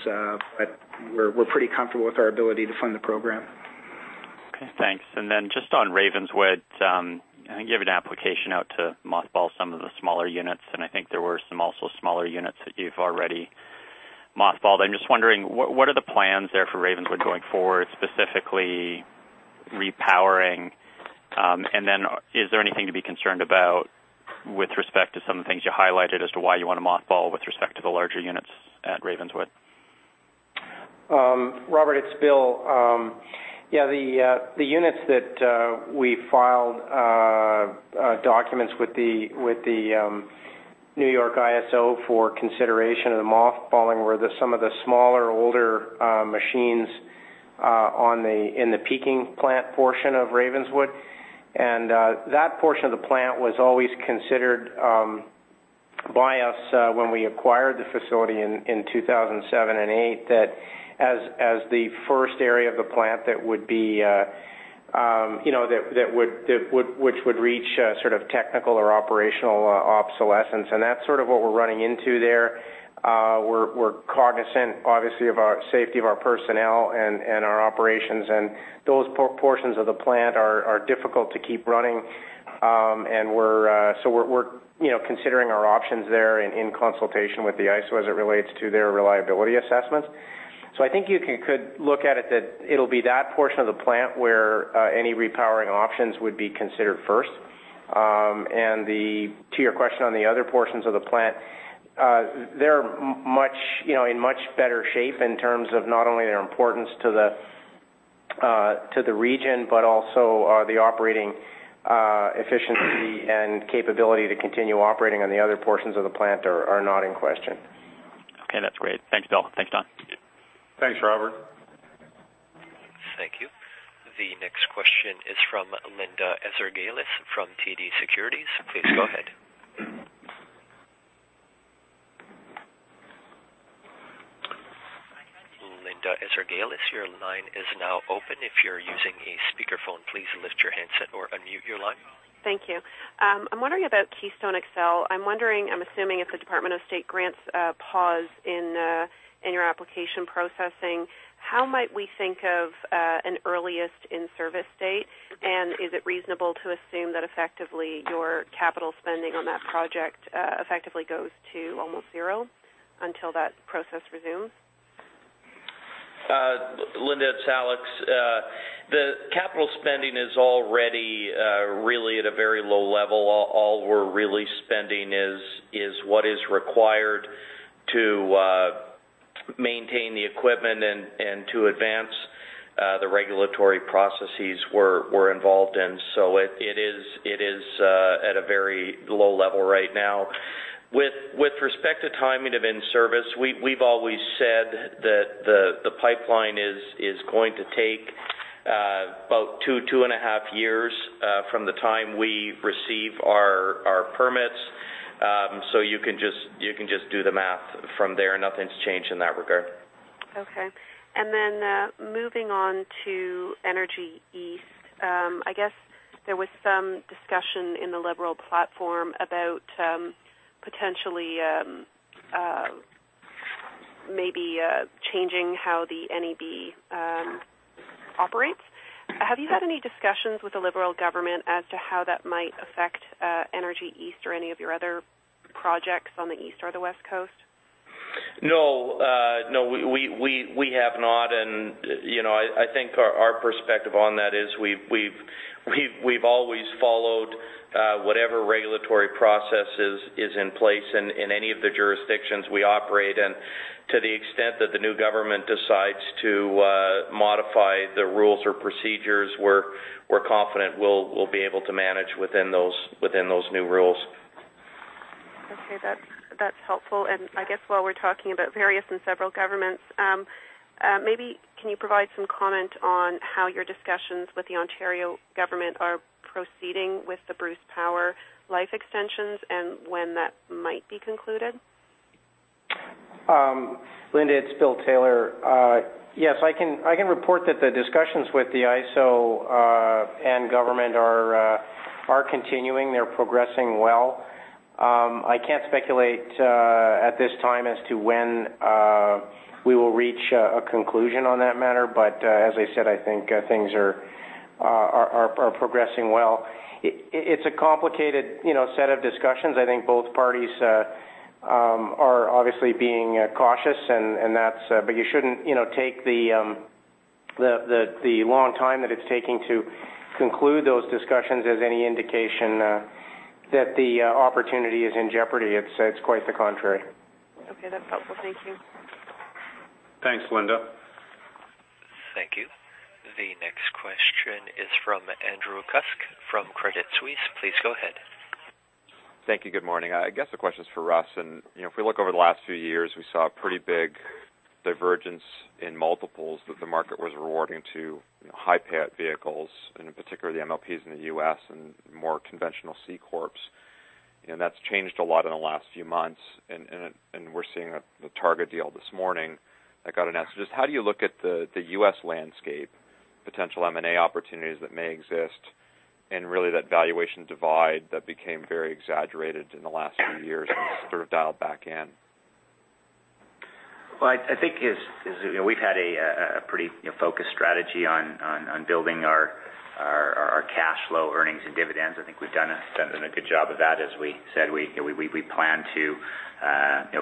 We're pretty comfortable with our ability to fund the program. Okay, thanks. Just on Ravenswood, I think you have an application out to mothball some of the smaller units, and I think there were some also smaller units that you've already mothballed. I'm just wondering, what are the plans there for Ravenswood going forward, specifically repowering? Is there anything to be concerned about with respect to some of the things you highlighted as to why you want to mothball with respect to the larger units at Ravenswood? Robert, it's Bill. The units that we filed documents with the New York ISO for consideration of the mothballing were some of the smaller, older machines in the peaking plant portion of Ravenswood. That portion of the plant was always considered by us when we acquired the facility in 2007 and 2008, that as the first area of the plant which would reach a sort of technical or operational obsolescence. That's sort of what we're running into there. We're cognizant, obviously, of our safety of our personnel and our operations, and those portions of the plant are difficult to keep running. We're considering our options there in consultation with the ISO as it relates to their reliability assessments. I think you could look at it that it'll be that portion of the plant where any repowering options would be considered first. To your question on the other portions of the plant, they're in much better shape in terms of not only their importance to the region, but also the operating efficiency and capability to continue operating on the other portions of the plant are not in question. Okay, that's great. Thanks, Bill. Thanks, Don. Thanks, Robert. Thank you. The next question is from Linda Ezergailis from TD Securities. Please go ahead. Linda Ezergailis, your line is now open. If you're using a speakerphone, please lift your handset or unmute your line. Thank you. I'm wondering about Keystone XL. I'm assuming if the Department of State grants a pause in your application processing, how might we think of an earliest in-service date? Is it reasonable to assume that effectively your capital spending on that project effectively goes to almost zero until that process resumes? Linda, it's Alex. The capital spending is already really at a very low level. All we're really spending is what is required to maintain the equipment and to advance the regulatory processes we're involved in. It is At a very low level right now. With respect to timing of in-service, we've always said that the pipeline is going to take about two and a half years from the time we receive our permits. You can just do the math from there. Nothing's changed in that regard. Okay. Moving on to Energy East. I guess there was some discussion in the Liberal platform about potentially, maybe changing how the NEB operates. Have you had any discussions with the Liberal government as to how that might affect Energy East or any of your other projects on the east or the west coast? No, we have not. I think our perspective on that is we've always followed whatever regulatory processes is in place in any of the jurisdictions we operate. To the extent that the new government decides to modify the rules or procedures, we're confident we'll be able to manage within those new rules. Okay. That's helpful. I guess while we're talking about various and several governments, maybe can you provide some comment on how your discussions with the Ontario government are proceeding with the Bruce Power life extensions, and when that might be concluded? Linda, it's Bill Taylor. Yes, I can report that the discussions with the ISO and government are continuing. They're progressing well. I can't speculate at this time as to when we will reach a conclusion on that matter. As I said, I think things are progressing well. It's a complicated set of discussions. I think both parties are obviously being cautious, but you shouldn't take the long time that it's taking to conclude those discussions as any indication that the opportunity is in jeopardy. It's quite the contrary. Okay. That's helpful. Thank you. Thanks, Linda. Thank you. The next question is from Andrew Kuske from Credit Suisse. Please go ahead. Thank you. Good morning. I guess the question's for Russ Girling. If we look over the last few years, we saw a pretty big divergence in multiples that the market was rewarding to high-payout vehicles, in particular the MLPs in the U.S. and more conventional C corps. That's changed a lot in the last few months. We're seeing the target deal this morning that got announced. Just how do you look at the U.S. landscape, potential M&A opportunities that may exist, and really that valuation divide that became very exaggerated in the last few years and has sort of dialed back in? Well, I think we've had a pretty focused strategy on building our cash flow, earnings, and dividends. I think we've done a good job of that. As we said, we plan to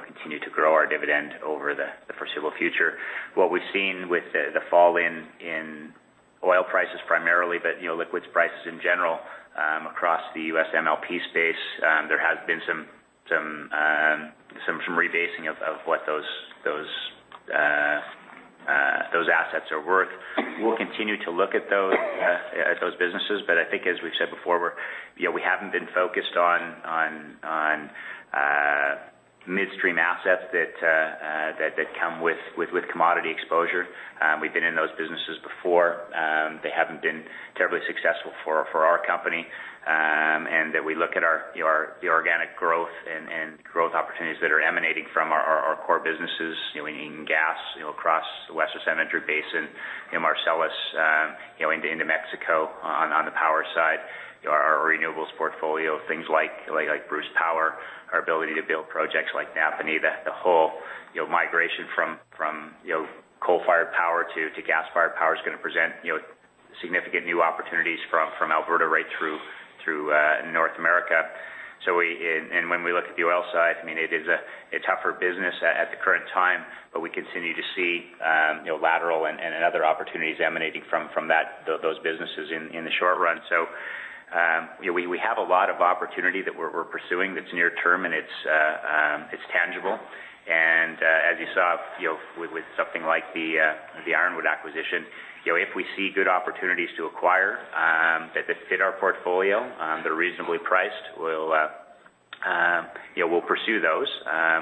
continue to grow our dividend over the foreseeable future. What we've seen with the fall in oil prices primarily, but liquids prices in general, across the U.S. MLP space, there has been some rebasing of what those assets are worth. We'll continue to look at those businesses. I think as we've said before, we haven't been focused on midstream assets that come with commodity exposure. We've been in those businesses before. They haven't been terribly successful for our company. That we look at the organic growth and growth opportunities that are emanating from our core businesses, in gas, across the Western Canadian Sedimentary Basin, Marcellus, into Mexico on the power side. Our renewables portfolio, things like Bruce Power, our ability to build projects like Napanee, the whole migration from coal-fired power to gas-fired power is going to present significant new opportunities from Alberta right through North America. When we look at the oil side, it is a tougher business at the current time, we continue to see lateral and other opportunities emanating from those businesses in the short run. We have a lot of opportunity that we're pursuing that's near term, and it's tangible. As you saw, with something like the Ironwood acquisition, if we see good opportunities to acquire, that fit our portfolio, they're reasonably priced, we'll pursue those.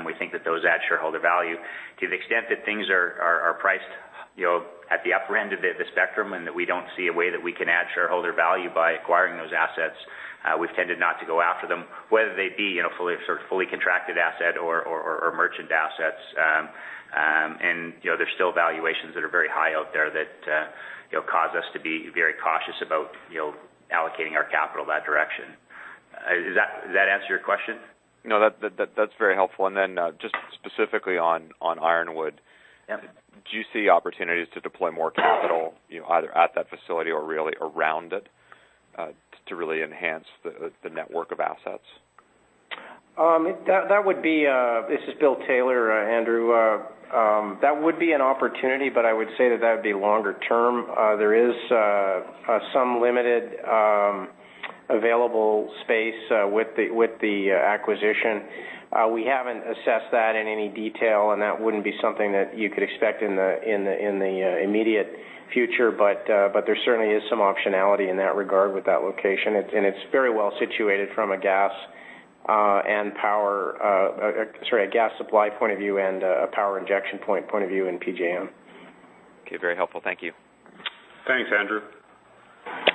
We think that those add shareholder value. To the extent that things are priced at the upper end of the spectrum and that we don't see a way that we can add shareholder value by acquiring those assets, we've tended not to go after them, whether they be fully contracted asset or merchant assets. There's still valuations that are very high out there that cause us to be very cautious about allocating our capital that direction. Does that answer your question? No, that's very helpful. Just specifically on Ironwood. Yep. Do you see opportunities to deploy more capital, either at that facility or really around it, to really enhance the network of assets? This is Bill Taylor, Andrew. That would be an opportunity. I would say that that would be longer-term. There is some limited available space with the acquisition. We haven't assessed that in any detail, and that wouldn't be something that you could expect in the immediate future. There certainly is some optionality in that regard with that location. It's very well-situated from a gas supply point of view and a power injection point of view in PJM. Okay. Very helpful. Thank you. Thanks, Andrew. Thank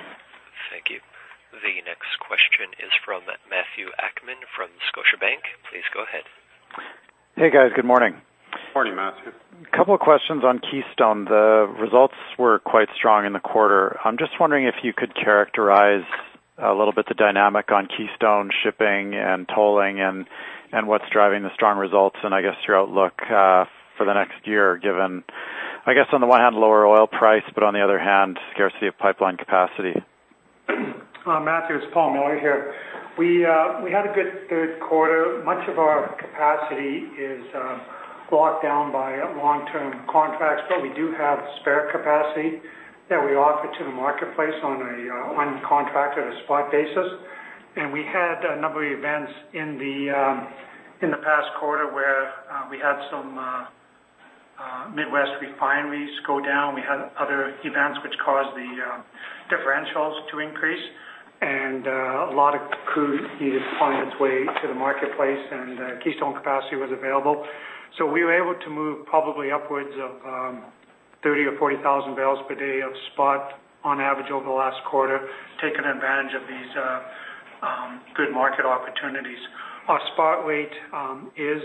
you. The next question is from Matthew Akman from Scotiabank. Please go ahead. Hey, guys. Good morning. Morning, Matthew. A couple of questions on Keystone. The results were quite strong in the quarter. I'm just wondering if you could characterize a little bit the dynamic on Keystone shipping and tolling and what's driving the strong results and I guess, your outlook for the next year, given, I guess, on the one hand, lower oil price, but on the other hand, scarcity of pipeline capacity. Matthew, it's Paul Miller here. We had a good third quarter. Much of our capacity is locked down by long-term contracts, but we do have spare capacity that we offer to the marketplace on contract at a spot basis. We had a number of events in the past quarter where we had some Midwest refineries go down. We had other events which caused the differentials to increase, a lot of crude needed to find its way to the marketplace, and Keystone capacity was available. We were able to move probably upwards of 30,000 or 40,000 barrels per day of spot on average over the last quarter, taking advantage of these good market opportunities. Our spot rate is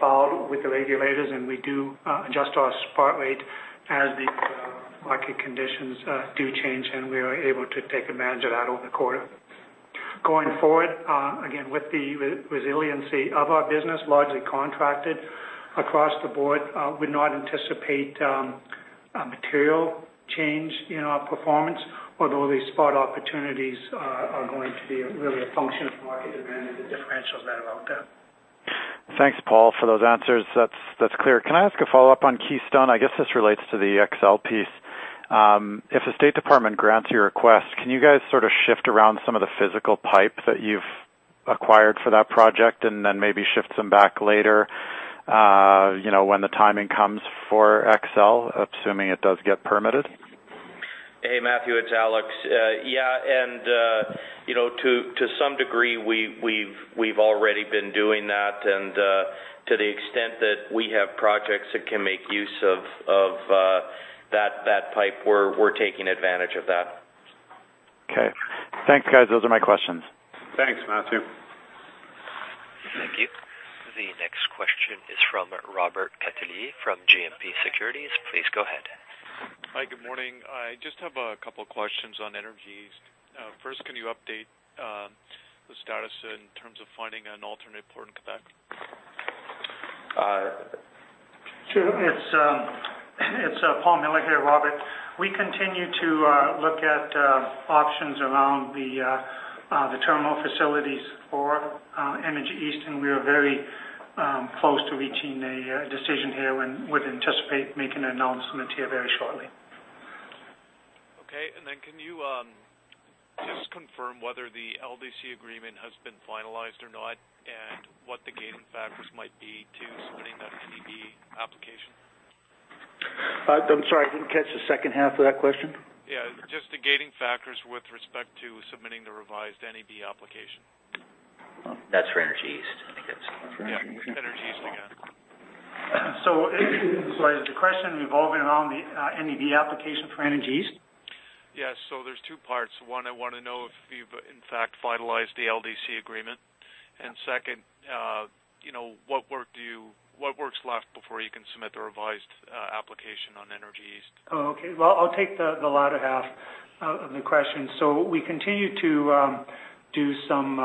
filed with the regulators, we do adjust our spot rate as the market conditions do change, and we were able to take advantage of that over the quarter. Going forward, again, with the resiliency of our business, largely contracted across the board, would not anticipate a material change in our performance, although these spot opportunities are going to be really a function of market demand and the differentials thereof. Thanks, Paul, for those answers. That's clear. Can I ask a follow-up on Keystone? I guess this relates to the XL piece. If the State Department grants your request, can you guys sort of shift around some of the physical pipe that you've acquired for that project and then maybe shift some back later when the timing comes for XL, assuming it does get permitted? Hey, Matthew, it's Alex. Yeah, to some degree, we've already been doing that, and to the extent that we have projects that can make use of that pipe, we're taking advantage of that. Okay. Thanks, guys. Those are my questions. Thanks, Matthew. Thank you. The next question is from Robert Catellier from GMP Securities. Please go ahead. Hi, good morning. I just have a couple questions on Energy East. First, can you update the status in terms of finding an alternate port in Quebec? Sure. It's Paul Miller here, Robert. We continue to look at options around the terminal facilities for Energy East, and we are very close to reaching a decision here and would anticipate making an announcement here very shortly. Okay. Can you just confirm whether the LDC agreement has been finalized or not, and what the gating factors might be to submitting that NEB application? I'm sorry, I didn't catch the second half of that question. Yeah, just the gating factors with respect to submitting the revised NEB application. That's for Energy East. Yeah, Energy East again. Sorry, is the question revolving around the NEB application for Energy East? Yes. There's two parts. One, I want to know if you've in fact finalized the LDC agreement. Second, what work's left before you can submit the revised application on Energy East? Oh, okay. Well, I'll take the latter half of the question. We continue to do some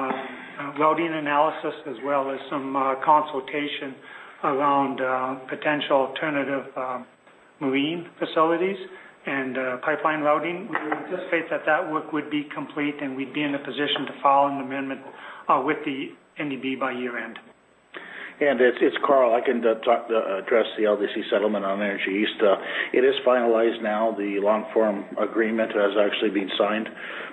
routing analysis as well as some consultation around potential alternative marine facilities and pipeline routing. We would anticipate that work would be complete, and we'd be in a position to file an amendment with the NEB by year-end. It's Karl. I can address the LDC settlement on Energy East. It is finalized now. The long-form agreement has actually been signed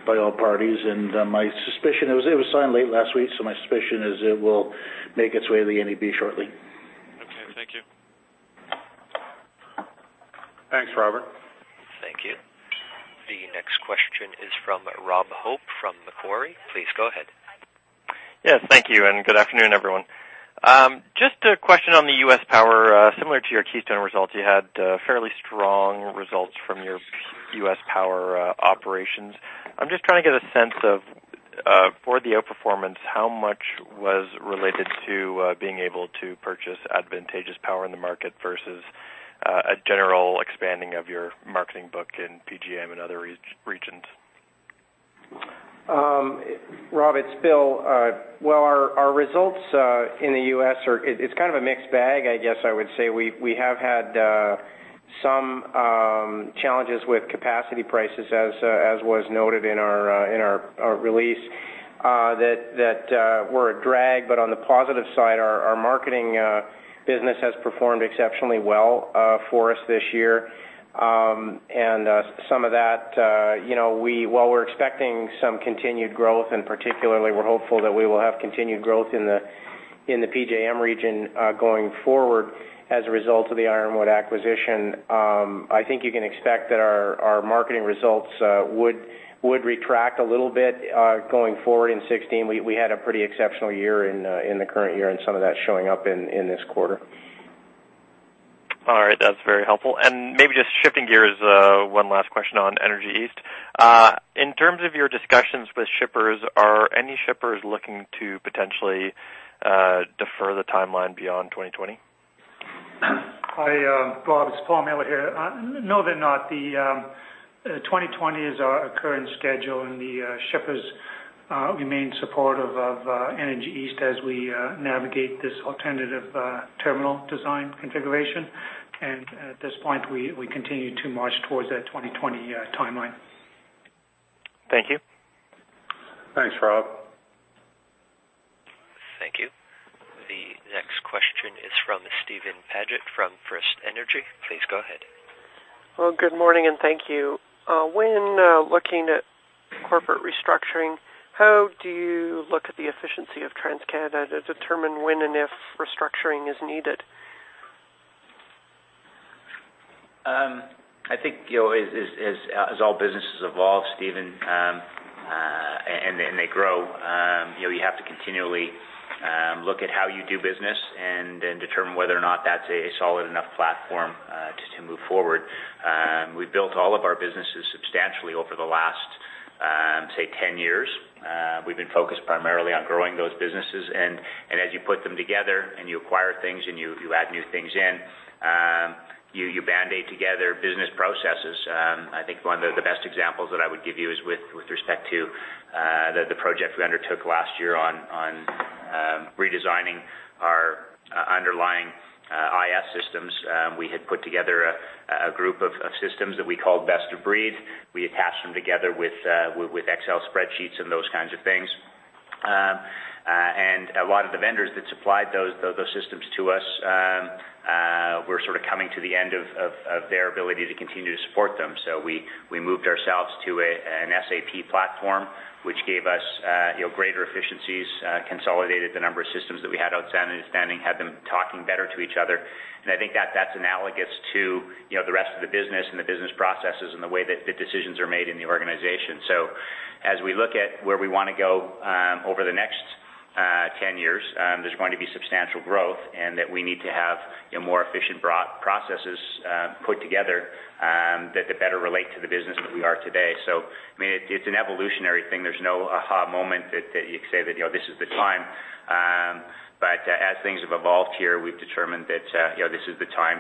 by all parties. It was signed late last week, so my suspicion is it will make its way to the NEB shortly. Okay, thank you. Thanks, Robert. Thank you. The next question is from Rob Hope from Macquarie. Please go ahead. Yes, thank you, good afternoon, everyone. Just a question on the U.S. power. Similar to your Keystone results, you had fairly strong results from your U.S. power operations. I'm just trying to get a sense of, for the outperformance, how much was related to being able to purchase advantageous power in the market versus a general expanding of your marketing book in PJM and other regions? Rob, it's Bill. Well, our results in the U.S. are. It's kind of a mixed bag, I guess I would say. We have had some challenges with capacity prices, as was noted in our release, that were a drag. On the positive side, our marketing business has performed exceptionally well for us this year. Some of that, while we're expecting some continued growth, particularly we're hopeful that we will have continued growth in the PJM region going forward as a result of the Ironwood acquisition, I think you can expect that our marketing results would retract a little bit going forward in 2016. We had a pretty exceptional year in the current year, some of that's showing up in this quarter. All right. That's very helpful. Maybe just shifting gears, one last question on Energy East. In terms of your discussions with shippers, are any shippers looking to potentially defer the timeline beyond 2020? Hi, Rob. It's Paul Miller here. No, they're not. The 2020 is our current schedule. The shippers remain supportive of Energy East as we navigate this alternative terminal design configuration. At this point, we continue to march towards that 2020 timeline. Thank you. Thanks, Rob. Thank you. The next question is from Steven Paget from FirstEnergy. Please go ahead. Well, good morning and thank you. When looking at corporate restructuring, how do you look at the efficiency of TransCanada to determine when and if restructuring is needed? I think, as all businesses evolve, Steven, and they grow, you have to continually look at how you do business and then determine whether or not that's a solid enough platform to move forward. We've built all of our businesses substantially over the last, say, 10 years. We've been focused primarily on growing those businesses. As you put them together and you acquire things and you add new things in, you Band-Aid together business processes. I think one of the best examples that I would give you is with respect to the project we undertook last year on redesigning our underlying IS systems. We had put together a group of systems that we called Best of Breed. We attached them together with Excel spreadsheets and those kinds of things. A lot of the vendors that supplied those systems to us were sort of coming to the end of their ability to continue to support them. We moved ourselves to an SAP platform, which gave us greater efficiencies, consolidated the number of systems that we had outstanding, had them talking better to each other. I think that's analogous to the rest of the business and the business processes and the way that the decisions are made in the organization. As we look at where we want to go over the next 10 years, there's going to be substantial growth and that we need to have more efficient processes put together that better relate to the business that we are today. It's an evolutionary thing. There's no aha moment that you say that this is the time. As things have evolved here, we've determined that this is the time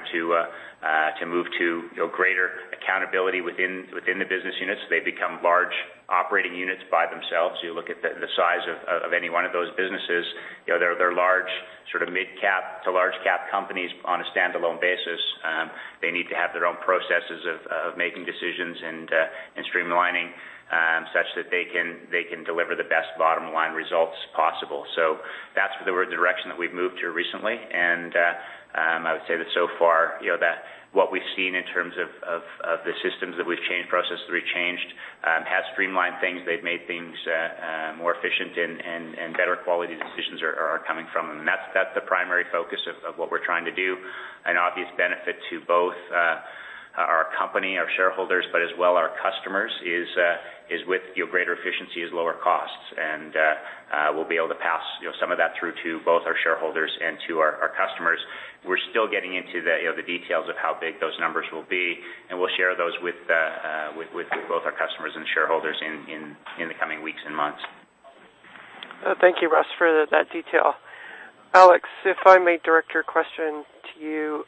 to move to greater accountability within the business units. They become large operating units by themselves. You look at the size of any one of those businesses, they're large, sort of mid-cap to large-cap companies on a standalone basis. They need to have their own processes of making decisions and streamlining, such that they can deliver the best bottom-line results possible. That's the direction that we've moved to recently, and I would say that so far, what we've seen in terms of the systems that we've changed, processes that we changed, has streamlined things. They've made things more efficient and better quality decisions are coming from them. That's the primary focus of what we're trying to do. An obvious benefit to both our company, our shareholders, but as well our customers is with greater efficiency is lower costs, and we'll be able to pass some of that through to both our shareholders and to our customers. We're still getting into the details of how big those numbers will be, and we'll share those with both our customers and shareholders in the coming weeks and months. Thank you, Russ, for that detail. Alex, if I may direct your question to you.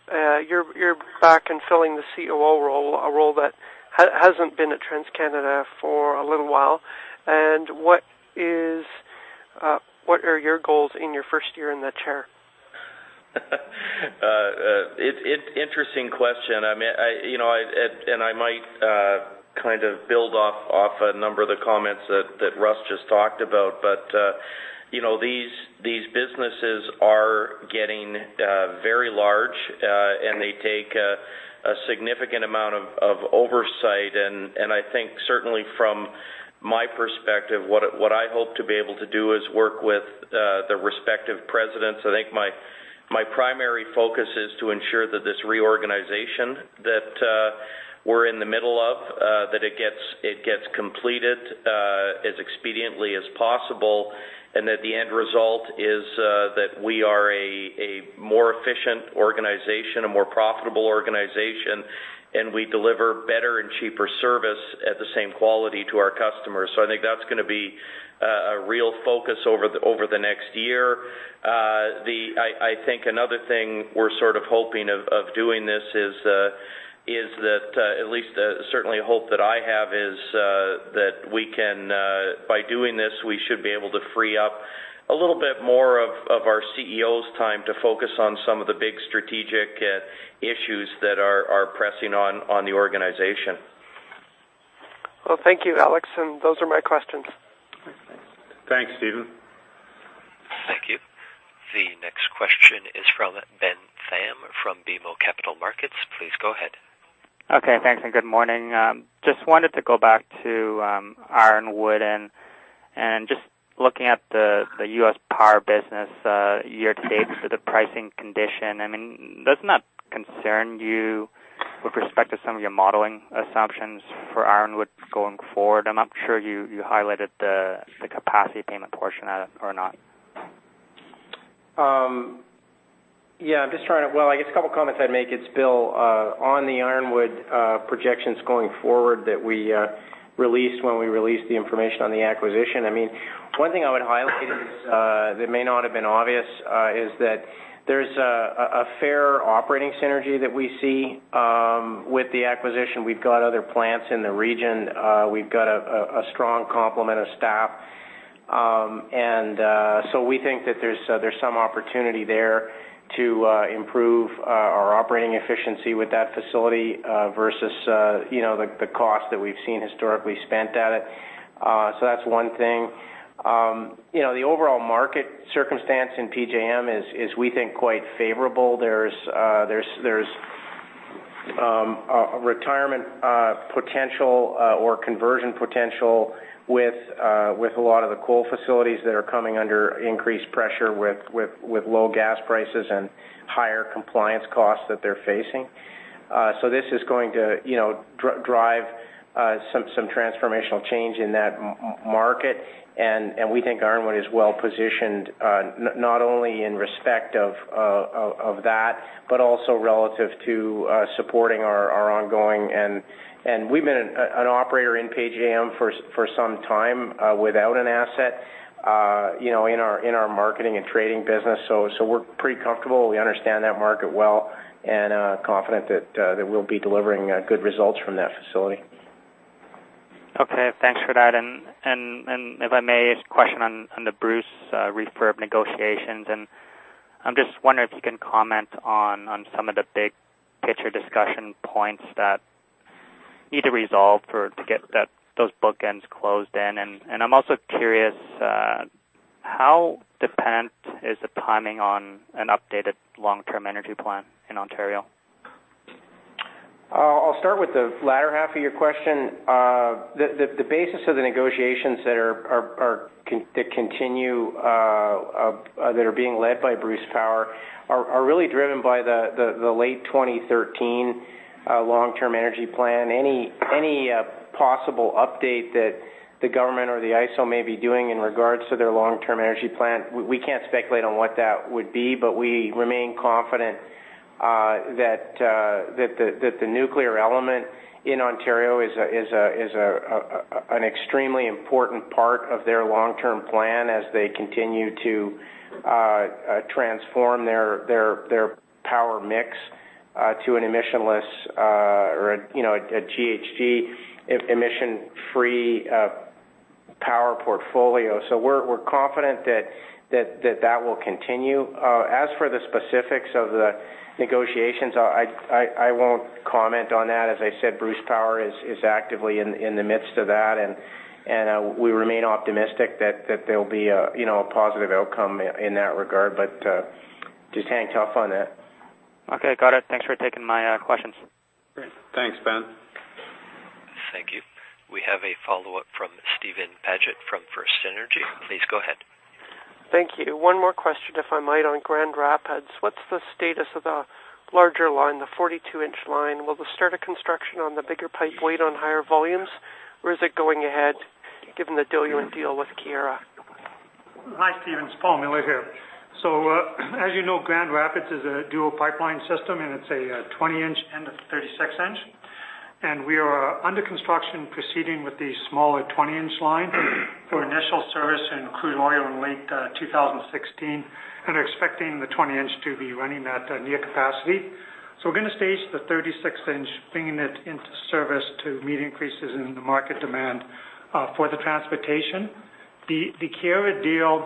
You're back and filling the COO role, a role that hasn't been at TransCanada for a little while. What are your goals in your first year in the chair? Interesting question. I might build off a number of the comments that Russ just talked about, but these businesses are getting very large, and they take a significant amount of oversight. I think certainly from my perspective, what I hope to be able to do is work with the respective presidents. I think my primary focus is to ensure that this reorganization that we're in the middle of, that it gets completed as expediently as possible, and that the end result is that we are a more efficient organization, a more profitable organization, and we deliver better and cheaper service at the same quality to our customers. I think that's going to be a real focus over the next year. I think another thing we're sort of hoping of doing this is that, at least certainly a hope that I have is, that by doing this, we should be able to free up a little bit more of our CEO's time to focus on some of the big strategic issues that are pressing on the organization. Well, thank you, Alex, and those are my questions. Thanks, Steven. Thank you. The next question is from Ben Pham from BMO Capital Markets. Please go ahead. Okay. Thanks and good morning. Just wanted to go back to Ironwood and just looking at the U.S. Power business year to date for the pricing condition. Does it not concern you with respect to some of your modeling assumptions for Ironwood going forward? I'm not sure you highlighted the capacity payment portion of it or not. Well, I guess a couple of comments I'd make. It's Bill. On the Ironwood projections going forward that we released when we released the information on the acquisition, one thing I would highlight that may not have been obvious is that there's a fair operating synergy that we see with the acquisition. We've got other plants in the region. We've got a strong complement of staff. We think that there's some opportunity there to improve our operating efficiency with that facility versus the cost that we've seen historically spent at it. That's one thing. The overall market circumstance in PJM is we think quite favorable. There's a retirement potential or conversion potential with a lot of the coal facilities that are coming under increased pressure with low gas prices and higher compliance costs that they're facing. This is going to drive some transformational change in that market, and we think Ironwood is well-positioned, not only in respect of that, but also relative to supporting our ongoing We've been an operator in PJM for some time without an asset in our marketing and trading business. We're pretty comfortable. We understand that market well and are confident that we'll be delivering good results from that facility. Okay. Thanks for that. If I may, a question on the Bruce refurb negotiations, and I'm just wondering if you can comment on some of the big-picture discussion points that need to resolve for it to get those bookends closed in. I'm also curious, how dependent is the timing on an updated long-term energy plan in Ontario? I'll start with the latter half of your question. The basis of the negotiations that continue, that are being led by Bruce Power, are really driven by the late 2013 long-term energy plan. Any possible update that the government or the ISO may be doing in regards to their long-term energy plan, we can't speculate on what that would be, but we remain confident that the nuclear element in Ontario is an extremely important part of their long-term plan as they continue to transform their power mix to an emissionless or a GHG emission-free power portfolio. We're confident that that will continue. As for the specifics of the negotiations, I won't comment on that. As I said, Bruce Power is actively in the midst of that, and we remain optimistic that there'll be a positive outcome in that regard, but just hang tough on that. Okay, got it. Thanks for taking my questions. Great. Thanks, Ben. Thank you. We have a follow-up from Steven Paget from FirstEnergy. Please go ahead. Thank you. One more question, if I might, on Grand Rapids. What's the status of the larger line, the 42-inch line? Will the start of construction on the bigger pipe wait on higher volumes, or is it going ahead given the diluent deal with Keyera? Hi, Steven. It's Paul Miller here. As you know, Grand Rapids is a dual pipeline system, and it's a 20-inch and a 36-inch. We are under construction proceeding with the smaller 20-inch line for initial service in crude oil in late 2016 and are expecting the 20-inch to be running at near capacity. We're going to stage the 36-inch, bringing it into service to meet increases in the market demand for the transportation. The Keyera deal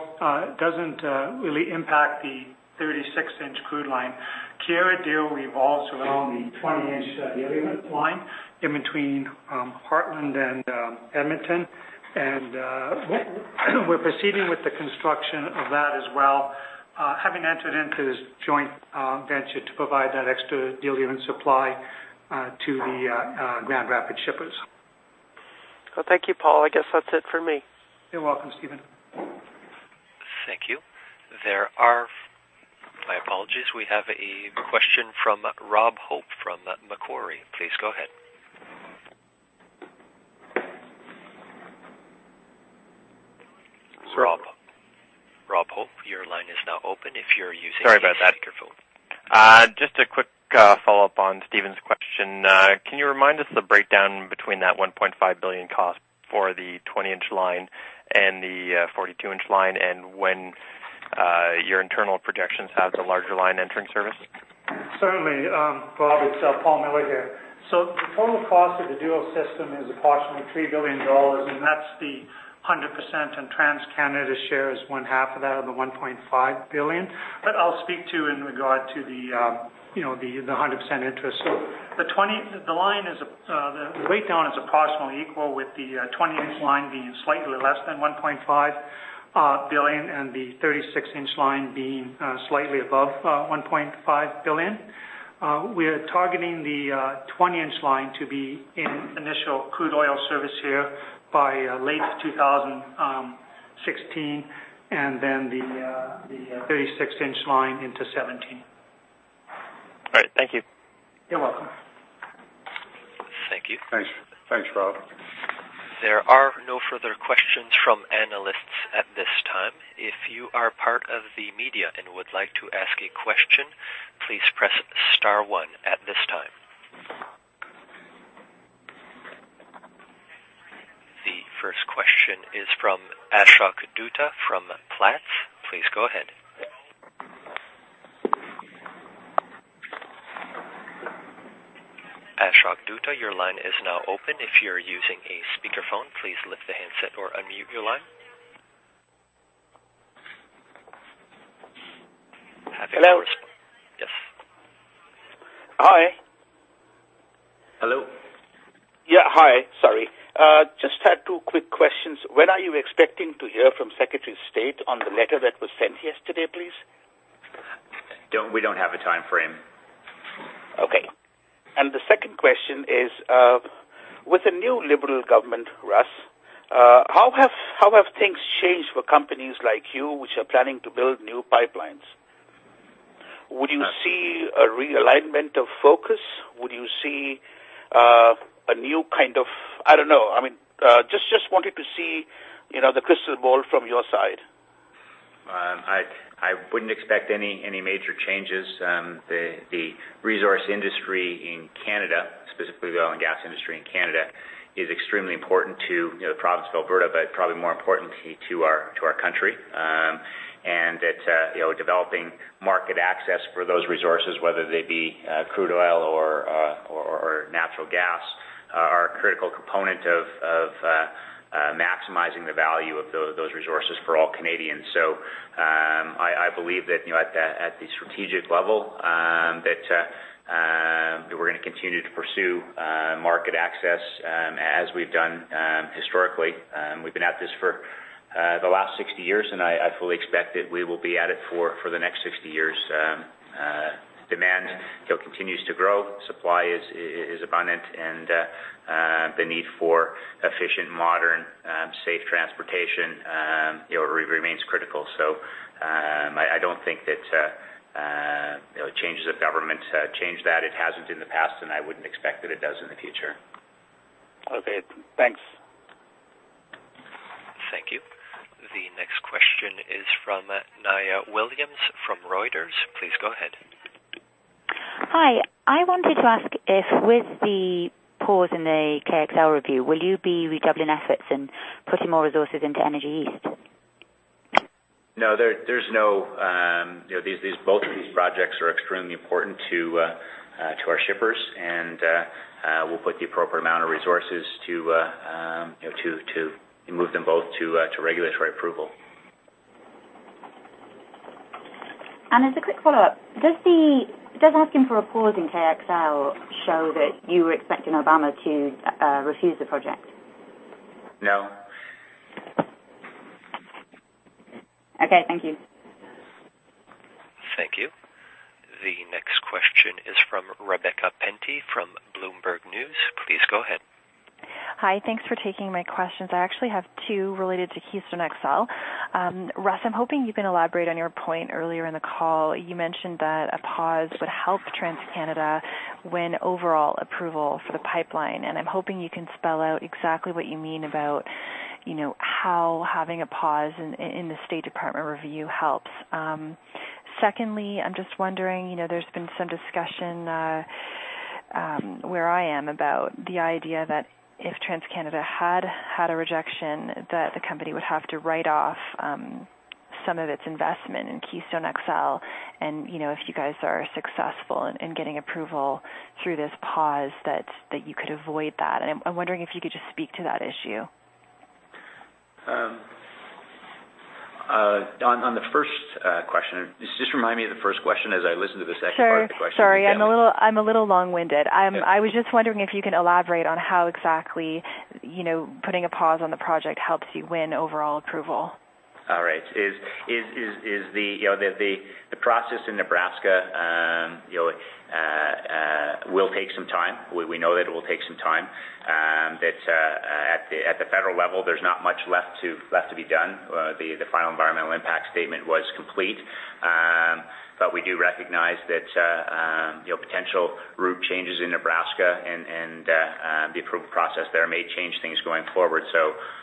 doesn't really impact the 36-inch crude line. Keyera deal revolves around the 20-inch diluent line in between Heartland and Edmonton. We're proceeding with the construction of that as well, having entered into this joint venture to provide that extra diluent supply to the Grand Rapids shippers. Well, thank you, Paul. I guess that's it for me. You're welcome, Steven. Thank you. My apologies. We have a question from Rob Hope from Macquarie. Please go ahead. Rob Hope, your line is now open if you're using- Sorry about that a speakerphone. Just a quick follow-up on Steven's question. Can you remind us the breakdown between that 1.5 billion cost for the 20-inch line and the 42-inch line, and when your internal projections have the larger line entering service? Certainly. Rob, it's Paul Miller here. The total cost of the dual system is approximately 3 billion dollars, and that's the 100%, and TransCanada's share is one half of that, or the 1.5 billion. I'll speak to in regard to the 100% interest. The weight count is approximately equal, with the 20-inch line being slightly less than 1.5 billion and the 36-inch line being slightly above 1.5 billion. We're targeting the 20-inch line to be in initial crude oil service here by late 2016, and then the 36-inch line into 2017. Thanks, Rob. There are no further questions from analysts at this time. If you are part of the media and would like to ask a question, please press star one at this time. The first question is from Ashok Dutta from Platts. Please go ahead. Ashok Dutta, your line is now open. If you're using a speakerphone, please lift the handset or unmute your line. Hello. Yes. Hi. Hello. Yeah. Hi, sorry. Just had two quick questions. When are you expecting to hear from Secretary of State on the letter that was sent yesterday, please? We don't have a timeframe. The second question is, with the new Liberal government, Russ, how have things changed for companies like you, which are planning to build new pipelines? Would you see a realignment of focus? Would you see a new kind of, I don't know. Just wanted to see the crystal ball from your side. I wouldn't expect any major changes. The resource industry in Canada, specifically the oil and gas industry in Canada, is extremely important to the province of Alberta, but probably more importantly to our country. That developing market access for those resources, whether they be crude oil or natural gas, are a critical component of maximizing the value of those resources for all Canadians. I believe that at the strategic level, that we're going to continue to pursue market access, as we've done historically. We've been at this for the last 60 years, and I fully expect that we will be at it for the next 60 years. Demand continues to grow, supply is abundant, and the need for efficient, modern, safe transportation remains critical. I don't think that changes of government change that. It hasn't in the past, and I wouldn't expect that it does in the future. Okay, thanks. Thank you. The next question is from Nia Williams from Reuters. Please go ahead. Hi. I wanted to ask if, with the pause in the Keystone XL review, will you be redoubling efforts and putting more resources into Energy East? No. Both of these projects are extremely important to our shippers, and we'll put the appropriate amount of resources to move them both to regulatory approval. As a quick follow-up, does asking for a pause in Keystone XL show that you were expecting Obama to refuse the project? No. Okay. Thank you. Thank you. The next question is from Rebecca Penty from Bloomberg News. Please go ahead. Hi. Thanks for taking my questions. I actually have two related to Keystone XL. Russ, I'm hoping you can elaborate on your point earlier in the call. You mentioned that a pause would help TransCanada win overall approval for the pipeline. I'm hoping you can spell out exactly what you mean about how having a pause in the State Department review helps. Secondly, I'm just wondering, there's been some discussion, where I am, about the idea that if TransCanada had a rejection, that the company would have to write off some of its investment in Keystone XL. If you guys are successful in getting approval through this pause that you could avoid that. I'm wondering if you could just speak to that issue. On the first question, just remind me of the first question as I listen to the second part of the question again. Sure. Sorry. I'm a little long-winded. Yeah. I was just wondering if you can elaborate on how exactly putting a pause on the project helps you win overall approval. All right. The process in Nebraska will take some time. We know that it will take some time. At the federal level, there's not much left to be done. The final environmental impact statement was complete. We do recognize that potential route changes in Nebraska and the approval process there may change things going forward.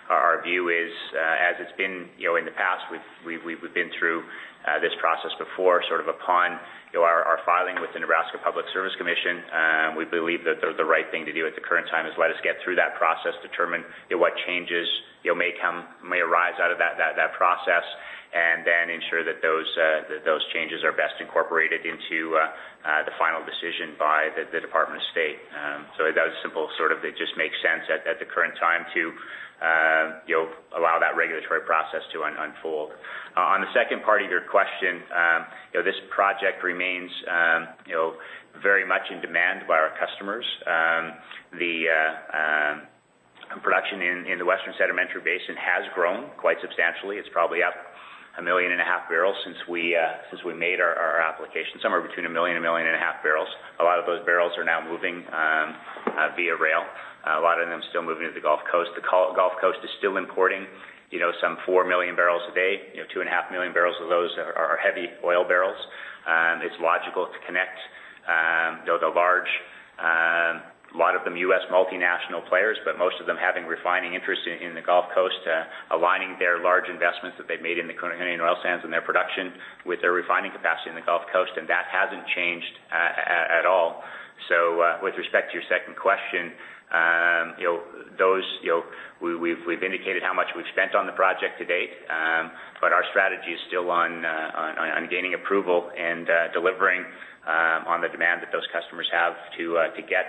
Our view is, as it's been in the past, we've been through this process before, sort of upon our filing with the Nebraska Public Service Commission. We believe that the right thing to do at the current time is let us get through that process, determine what changes may arise out of that process, and then ensure that those changes are best incorporated into the final decision by the Department of State. That was simple, sort of it just makes sense at the current time to allow that regulatory process to unfold. On the second part of your question, this project remains very much in demand by our customers. The production in the Western Sedimentary Basin has grown quite substantially. It's probably up 1.5 million barrels since we made our application. Somewhere between 1 million and 1.5 million barrels. A lot of those barrels are now moving via rail. A lot of them still moving to the Gulf Coast. The Gulf Coast is still importing 4 million barrels a day, 2.5 million barrels of those are heavy oil barrels. It's logical to connect the large, a lot of them U.S. multinational players, but most of them having refining interests in the Gulf Coast, aligning their large investments that they've made in the Canadian oil sands and their production with their refining capacity in the Gulf Coast, and that hasn't changed at all. With respect to your second question, we've indicated how much we've spent on the project to date. Our strategy is still on gaining approval and delivering on the demand that those customers have to get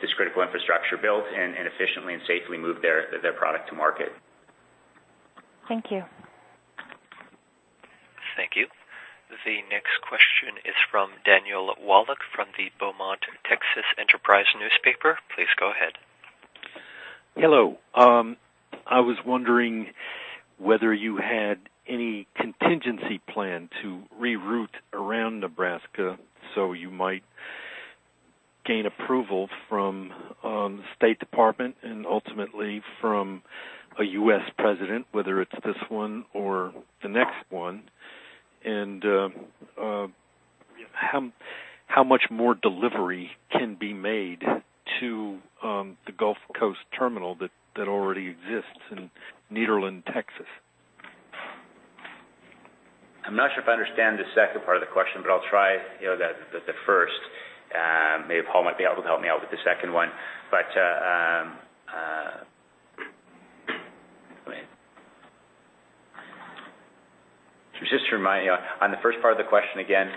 this critical infrastructure built and efficiently and safely move their product to market. Thank you. Thank you. The next question is from Daniel Wallach from the Beaumont Texas Enterprise Newspaper. Please go ahead. Hello. I was wondering whether you had any contingency plan to reroute around Nebraska so you might gain approval from the State Department and ultimately from a U.S. president, whether it's this one or the next one. How much more delivery can be made to the Gulf Coast terminal that already exists in Nederland, Texas? I'm not sure if I understand the second part of the question, but I'll try the first. Maybe Paul might be able to help me out with the second one. Just to remind you, on the first part of the question again,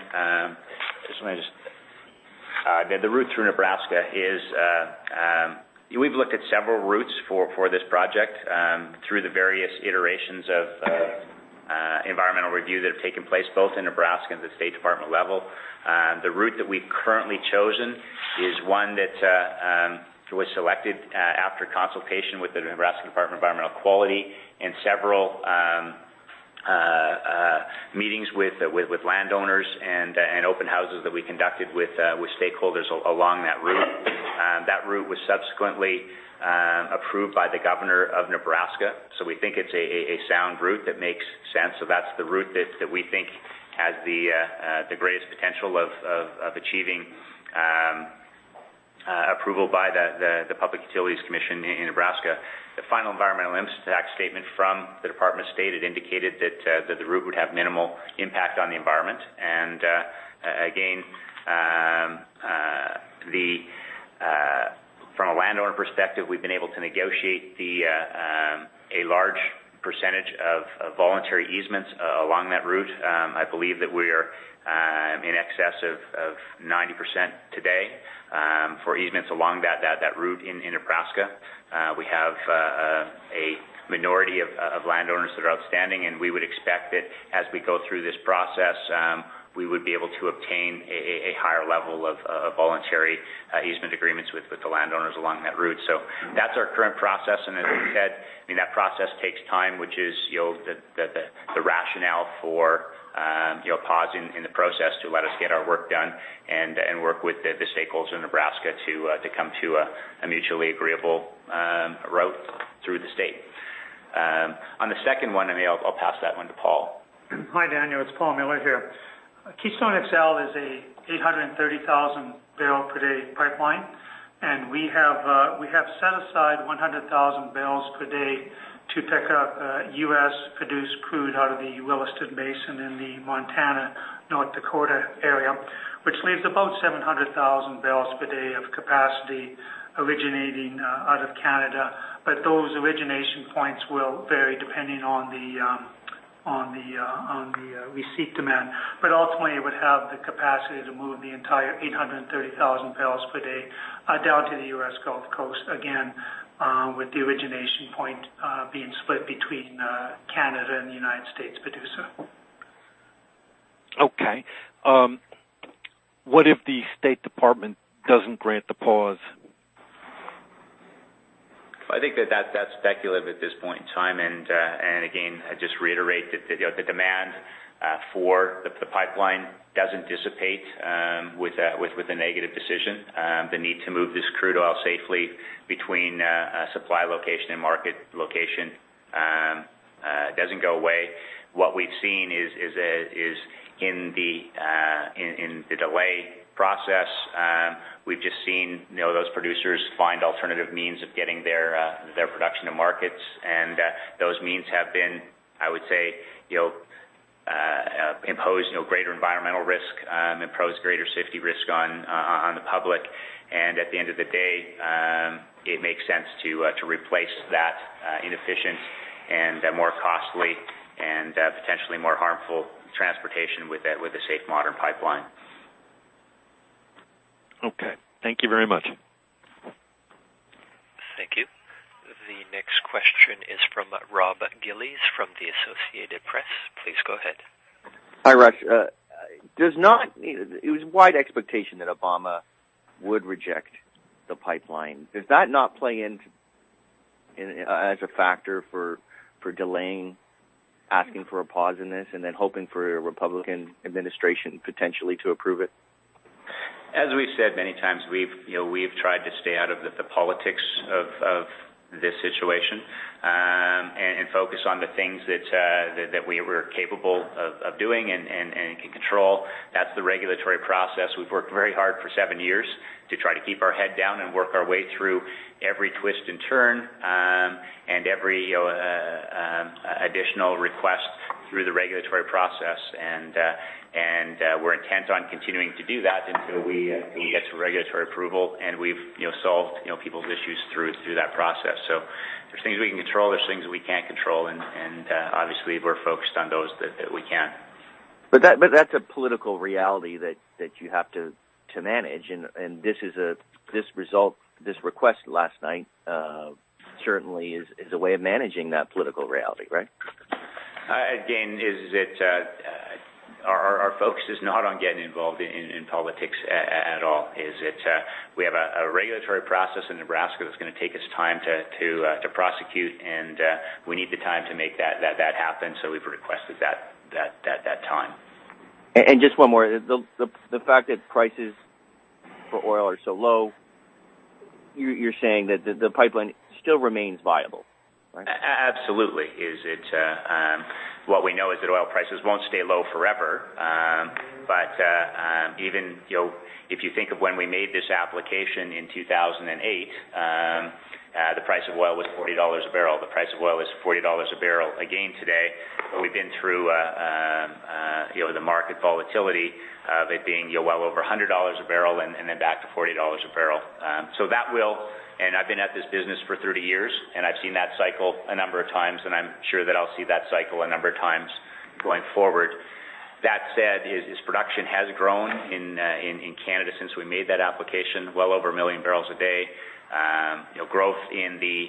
the route through Nebraska is We've looked at several routes for this project, through the various iterations of environmental review that have taken place, both in Nebraska and at the State Department level. The route that we've currently chosen is one that was selected after consultation with the Nebraska Department of Environmental Quality and several meetings with landowners and open houses that we conducted with stakeholders along that route. That route was subsequently approved by the governor of Nebraska. We think it's a sound route that makes sense. That's the route that we think has the greatest potential of achieving approval by the Public Utilities Commission in Nebraska. The final environmental impact statement from the Department of State had indicated that the route would have minimal impact on the environment. Again, from a landowner perspective, we've been able to negotiate a large % of voluntary easements along that route. I believe that we're in excess of 90% today for easements along that route in Nebraska. We have a minority of landowners that are outstanding, we would expect that as we go through this process, we would be able to obtain a higher level of voluntary easement agreements with the landowners along that route. That's our current process, as I said, that process takes time, which is the rationale for pausing the process to let us get our work done and work with the stakeholders in Nebraska to come to a mutually agreeable route through the state. On the second one, maybe I'll pass that one to Paul. Hi, Daniel. It's Paul Miller here. Keystone XL is an 830,000-barrel-per-day pipeline, and we have set aside 100,000 barrels per day to pick up U.S.-produced crude out of the Williston Basin in the Montana, North Dakota area, which leaves about 700,000 barrels per day of capacity originating out of Canada. Those origination points will vary depending on the receipt demand. Ultimately, it would have the capacity to move the entire 830,000 barrels per day down to the U.S. Gulf Coast, again, with the origination point being split between Canada and the U.S. producer. Okay. What if the State Department doesn't grant the pause? I think that's speculative at this point in time. Again, I just reiterate that the demand for the pipeline doesn't dissipate with a negative decision. The need to move this crude oil safely between a supply location and market location doesn't go away. What we've seen is in the delay process, we've just seen those producers find alternative means of getting their production to markets. Those means have been, I would say, impose greater environmental risk, impose greater safety risk on the public. At the end of the day, it makes sense to replace that inefficient and more costly and potentially more harmful transportation with a safe modern pipeline. Okay. Thank you very much. Thank you. The next question is from Rob Gillies from The Associated Press. Please go ahead. Hi, Russ. It was wide expectation that Obama would reject the pipeline. Does that not play in as a factor for delaying asking for a pause in this and then hoping for a Republican administration potentially to approve it? As we've said many times, we've tried to stay out of the politics of this situation and focus on the things that we're capable of doing and can control. That's the regulatory process. We've worked very hard for seven years to try to keep our head down and work our way through every twist and turn, and every additional request through the regulatory process. We're intent on continuing to do that until we get to regulatory approval and we've solved people's issues through that process. There's things we can control, there's things that we can't control, and obviously, we're focused on those that we can. That's a political reality that you have to manage, and this request last night certainly is a way of managing that political reality, right? Our focus is not on getting involved in politics at all, is it? We have a regulatory process in Nebraska that's going to take us time to prosecute, and we need the time to make that happen, so we've requested that time. Just one more. The fact that prices for oil are so low, you're saying that the pipeline still remains viable, right? Absolutely. What we know is that oil prices won't stay low forever. Even if you think of when we made this application in 2008, the price of oil was $40 a barrel. The price of oil is $40 a barrel again today, but we've been through the market volatility of it being well over $100 a barrel and then back to $40 a barrel. I've been at this business for 30 years, and I've seen that cycle a number of times, and I'm sure that I'll see that cycle a number of times going forward. That said, as production has grown in Canada since we made that application, well over a million barrels a day. Growth in the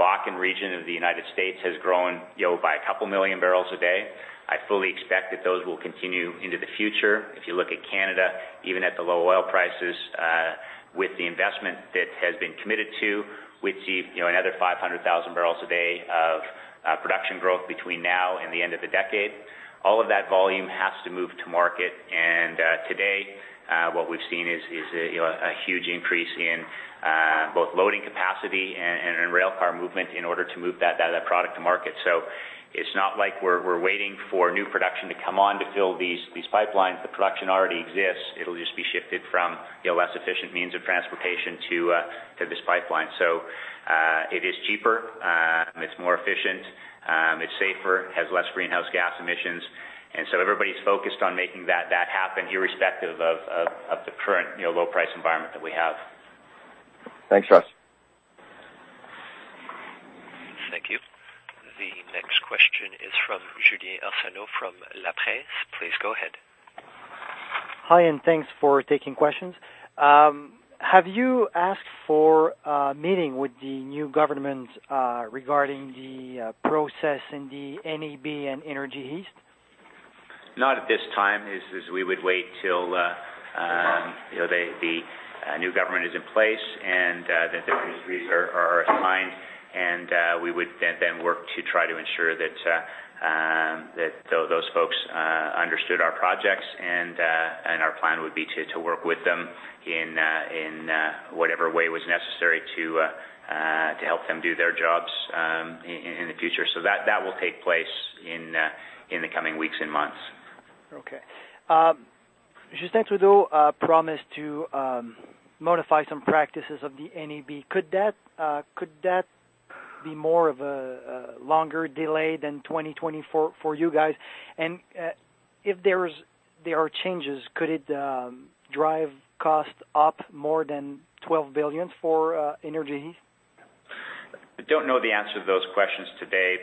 Bakken region of the U.S. has grown by a couple million barrels a day. I fully expect that those will continue into the future. If you look at Canada, even at the low oil prices, with the investment that has been committed to, we'd see another 500,000 barrels a day of production growth between now and the end of the decade. All of that volume has to move to market, and today what we've seen is a huge increase in both loading capacity and in rail car movement in order to move that product to market. It's not like we're waiting for new production to come on to fill these pipelines. The production already exists. It'll just be shifted from less efficient means of transportation to this pipeline. It is cheaper, it's more efficient, it's safer, has less greenhouse gas emissions, and so everybody's focused on making that happen irrespective of the current low price environment that we have. Thanks, Russ. Thank you. The next question is from Julien Arsenault from La Presse. Please go ahead. Hi, thanks for taking questions. Have you asked for a meeting with the new government regarding the process in the NEB and Energy East? Not at this time, as we would wait till the new government is in place and that their views are assigned, and we would then work to try to ensure that those folks understood our projects, and our plan would be to work with them in whatever way was necessary to help them do their jobs in the future. That will take place in the coming weeks and months. Okay. Justin Trudeau promised to modify some practices of the NEB. Could that be more of a longer delay than 2024 for you guys? If there are changes, could it drive costs up more than 12 billion for Energy East? I don't know the answer to those questions today,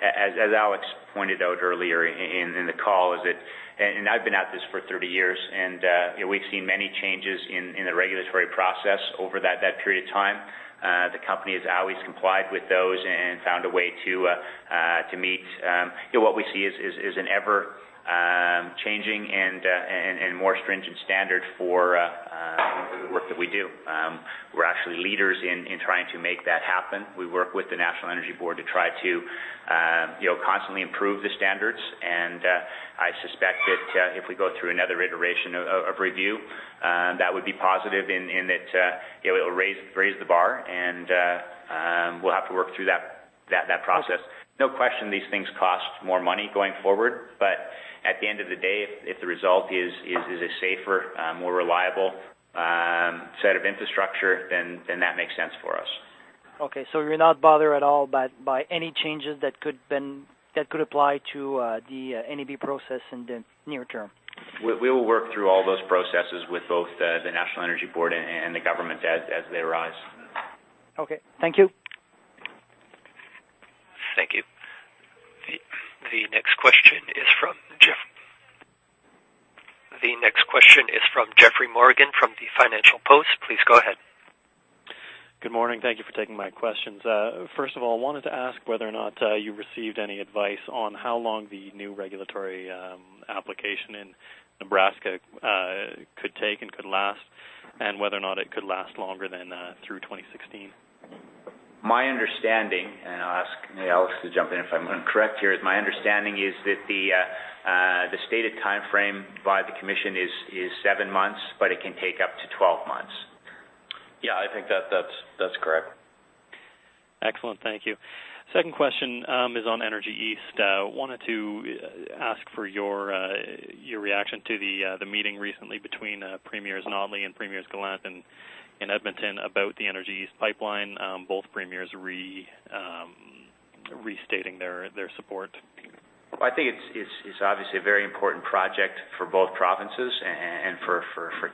as Alex pointed out earlier in the call, I've been at this for 30 years. We've seen many changes in the regulatory process over that period of time. The company has always complied with those and found a way to meet what we see as an ever-changing and more stringent standard for the work that we do. We're actually leaders in trying to make that happen. We work with the National Energy Board to try to constantly improve the standards. I suspect that if we go through another iteration of review, that would be positive in that it'll raise the bar, and we'll have to work through that process. No question these things cost more money going forward. At the end of the day, if the result is a safer, more reliable set of infrastructure, then that makes sense for us. Okay, you're not bothered at all by any changes that could apply to the NEB process in the near term? We will work through all those processes with both the National Energy Board and the government as they arise. Okay. Thank you. Thank you. The next question is from Geoffrey Morgan from the Financial Post. Please go ahead. Good morning. Thank you for taking my questions. First of all, I wanted to ask whether or not you received any advice on how long the new regulatory application in Nebraska could take and could last. Whether or not it could last longer than through 2016. My understanding, I'll ask Alex Pourbaix to jump in if I'm incorrect here, is that the stated timeframe by the commission is seven months, it can take up to 12 months. Yeah, I think that's correct. Excellent, thank you. Second question is on Energy East. Wanted to ask for your reaction to the meeting recently between Premiers Notley and Premiers Gallant in Edmonton about the Energy East pipeline, both premiers restating their support. Well, I think it's obviously a very important project for both provinces and for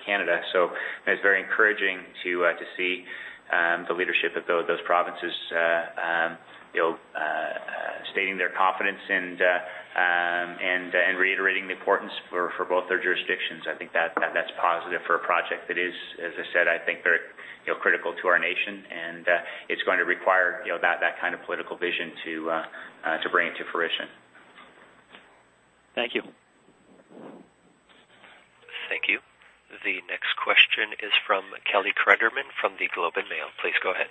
Canada. It's very encouraging to see the leadership of those provinces stating their confidence and reiterating the importance for both their jurisdictions. I think that's positive for a project that is, as I said, I think very critical to our nation it's going to require that kind of political vision to bring it to fruition. Thank you. Thank you. The next question is from Kelly Cryderman from The Globe and Mail. Please go ahead.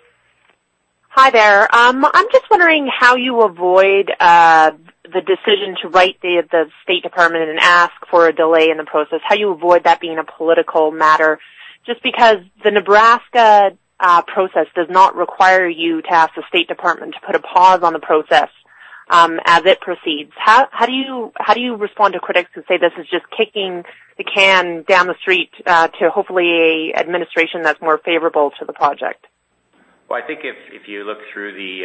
Hi there. I'm just wondering how you avoid the decision to write the State Department and ask for a delay in the process, how you avoid that being a political matter, just because the Nebraska process does not require you to ask the State Department to put a pause on the process as it proceeds. How do you respond to critics who say this is just kicking the can down the street to hopefully an administration that's more favorable to the project? Well, I think if you look through the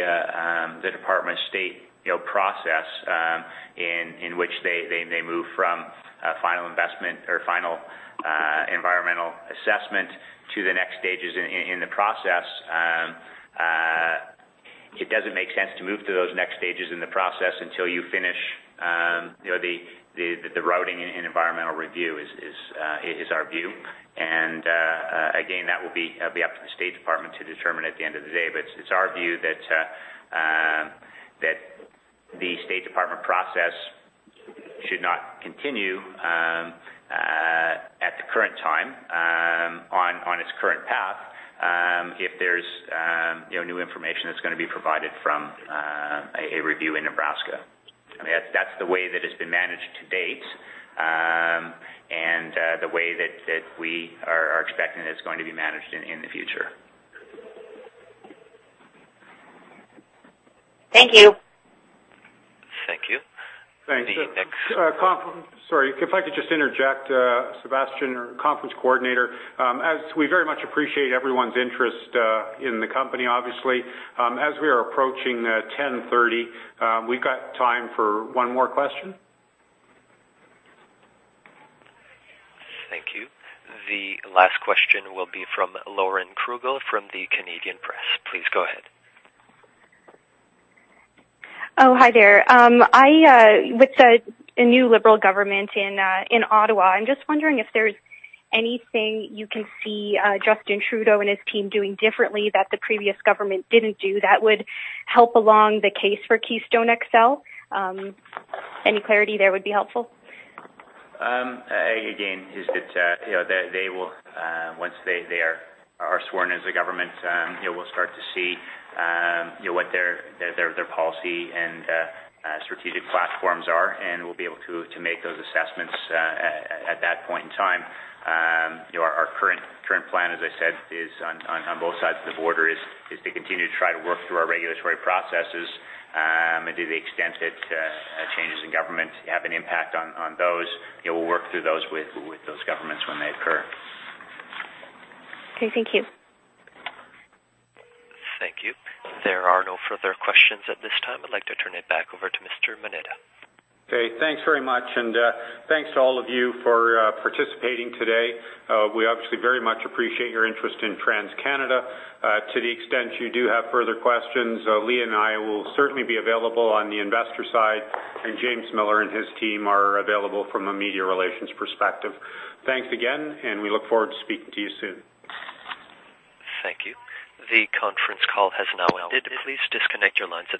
Department of State process in which they move from final investment or final environmental assessment to the next stages in the process, it doesn't make sense to move to those next stages in the process until you finish the routing and environmental review, is our view. Again, that will be up to the State Department to determine at the end of the day. It's our view that the State Department process should not continue at the current time, on its current path, if there's new information that's going to be provided from a review in Nebraska. I mean, that's the way that it's been managed to date, and the way that we are expecting it's going to be managed in the future. Thank you. Thank you. Thanks. Sorry, if I could just interject, Sebastian, our conference coordinator. As we very much appreciate everyone's interest in the company, obviously, as we are approaching 10:30 A.M., we've got time for one more question. Thank you. The last question will be from Lauren Krugel from The Canadian Press. Please go ahead. Oh, hi there. With the new Liberal government in Ottawa, I'm just wondering if there's anything you can see Justin Trudeau and his team doing differently that the previous government didn't do that would help along the case for Keystone XL. Any clarity there would be helpful. Once they are sworn as the government, we'll start to see what their policy and strategic platforms are, and we'll be able to make those assessments at that point in time. Our current plan, as I said, on both sides of the border, is to continue to try to work through our regulatory processes. To the extent that changes in government have an impact on those, we'll work through those with those governments when they occur. Okay, thank you. Thank you. There are no further questions at this time. I'd like to turn it back over to Mr. Moneta. Okay, thanks very much, and thanks to all of you for participating today. We obviously very much appreciate your interest in TransCanada. To the extent you do have further questions, Lee and I will certainly be available on the investor side, and James Miller and his team are available from a media relations perspective. Thanks again, and we look forward to speaking to you soon. Thank you. The conference call has now ended. Please disconnect your lines at this time.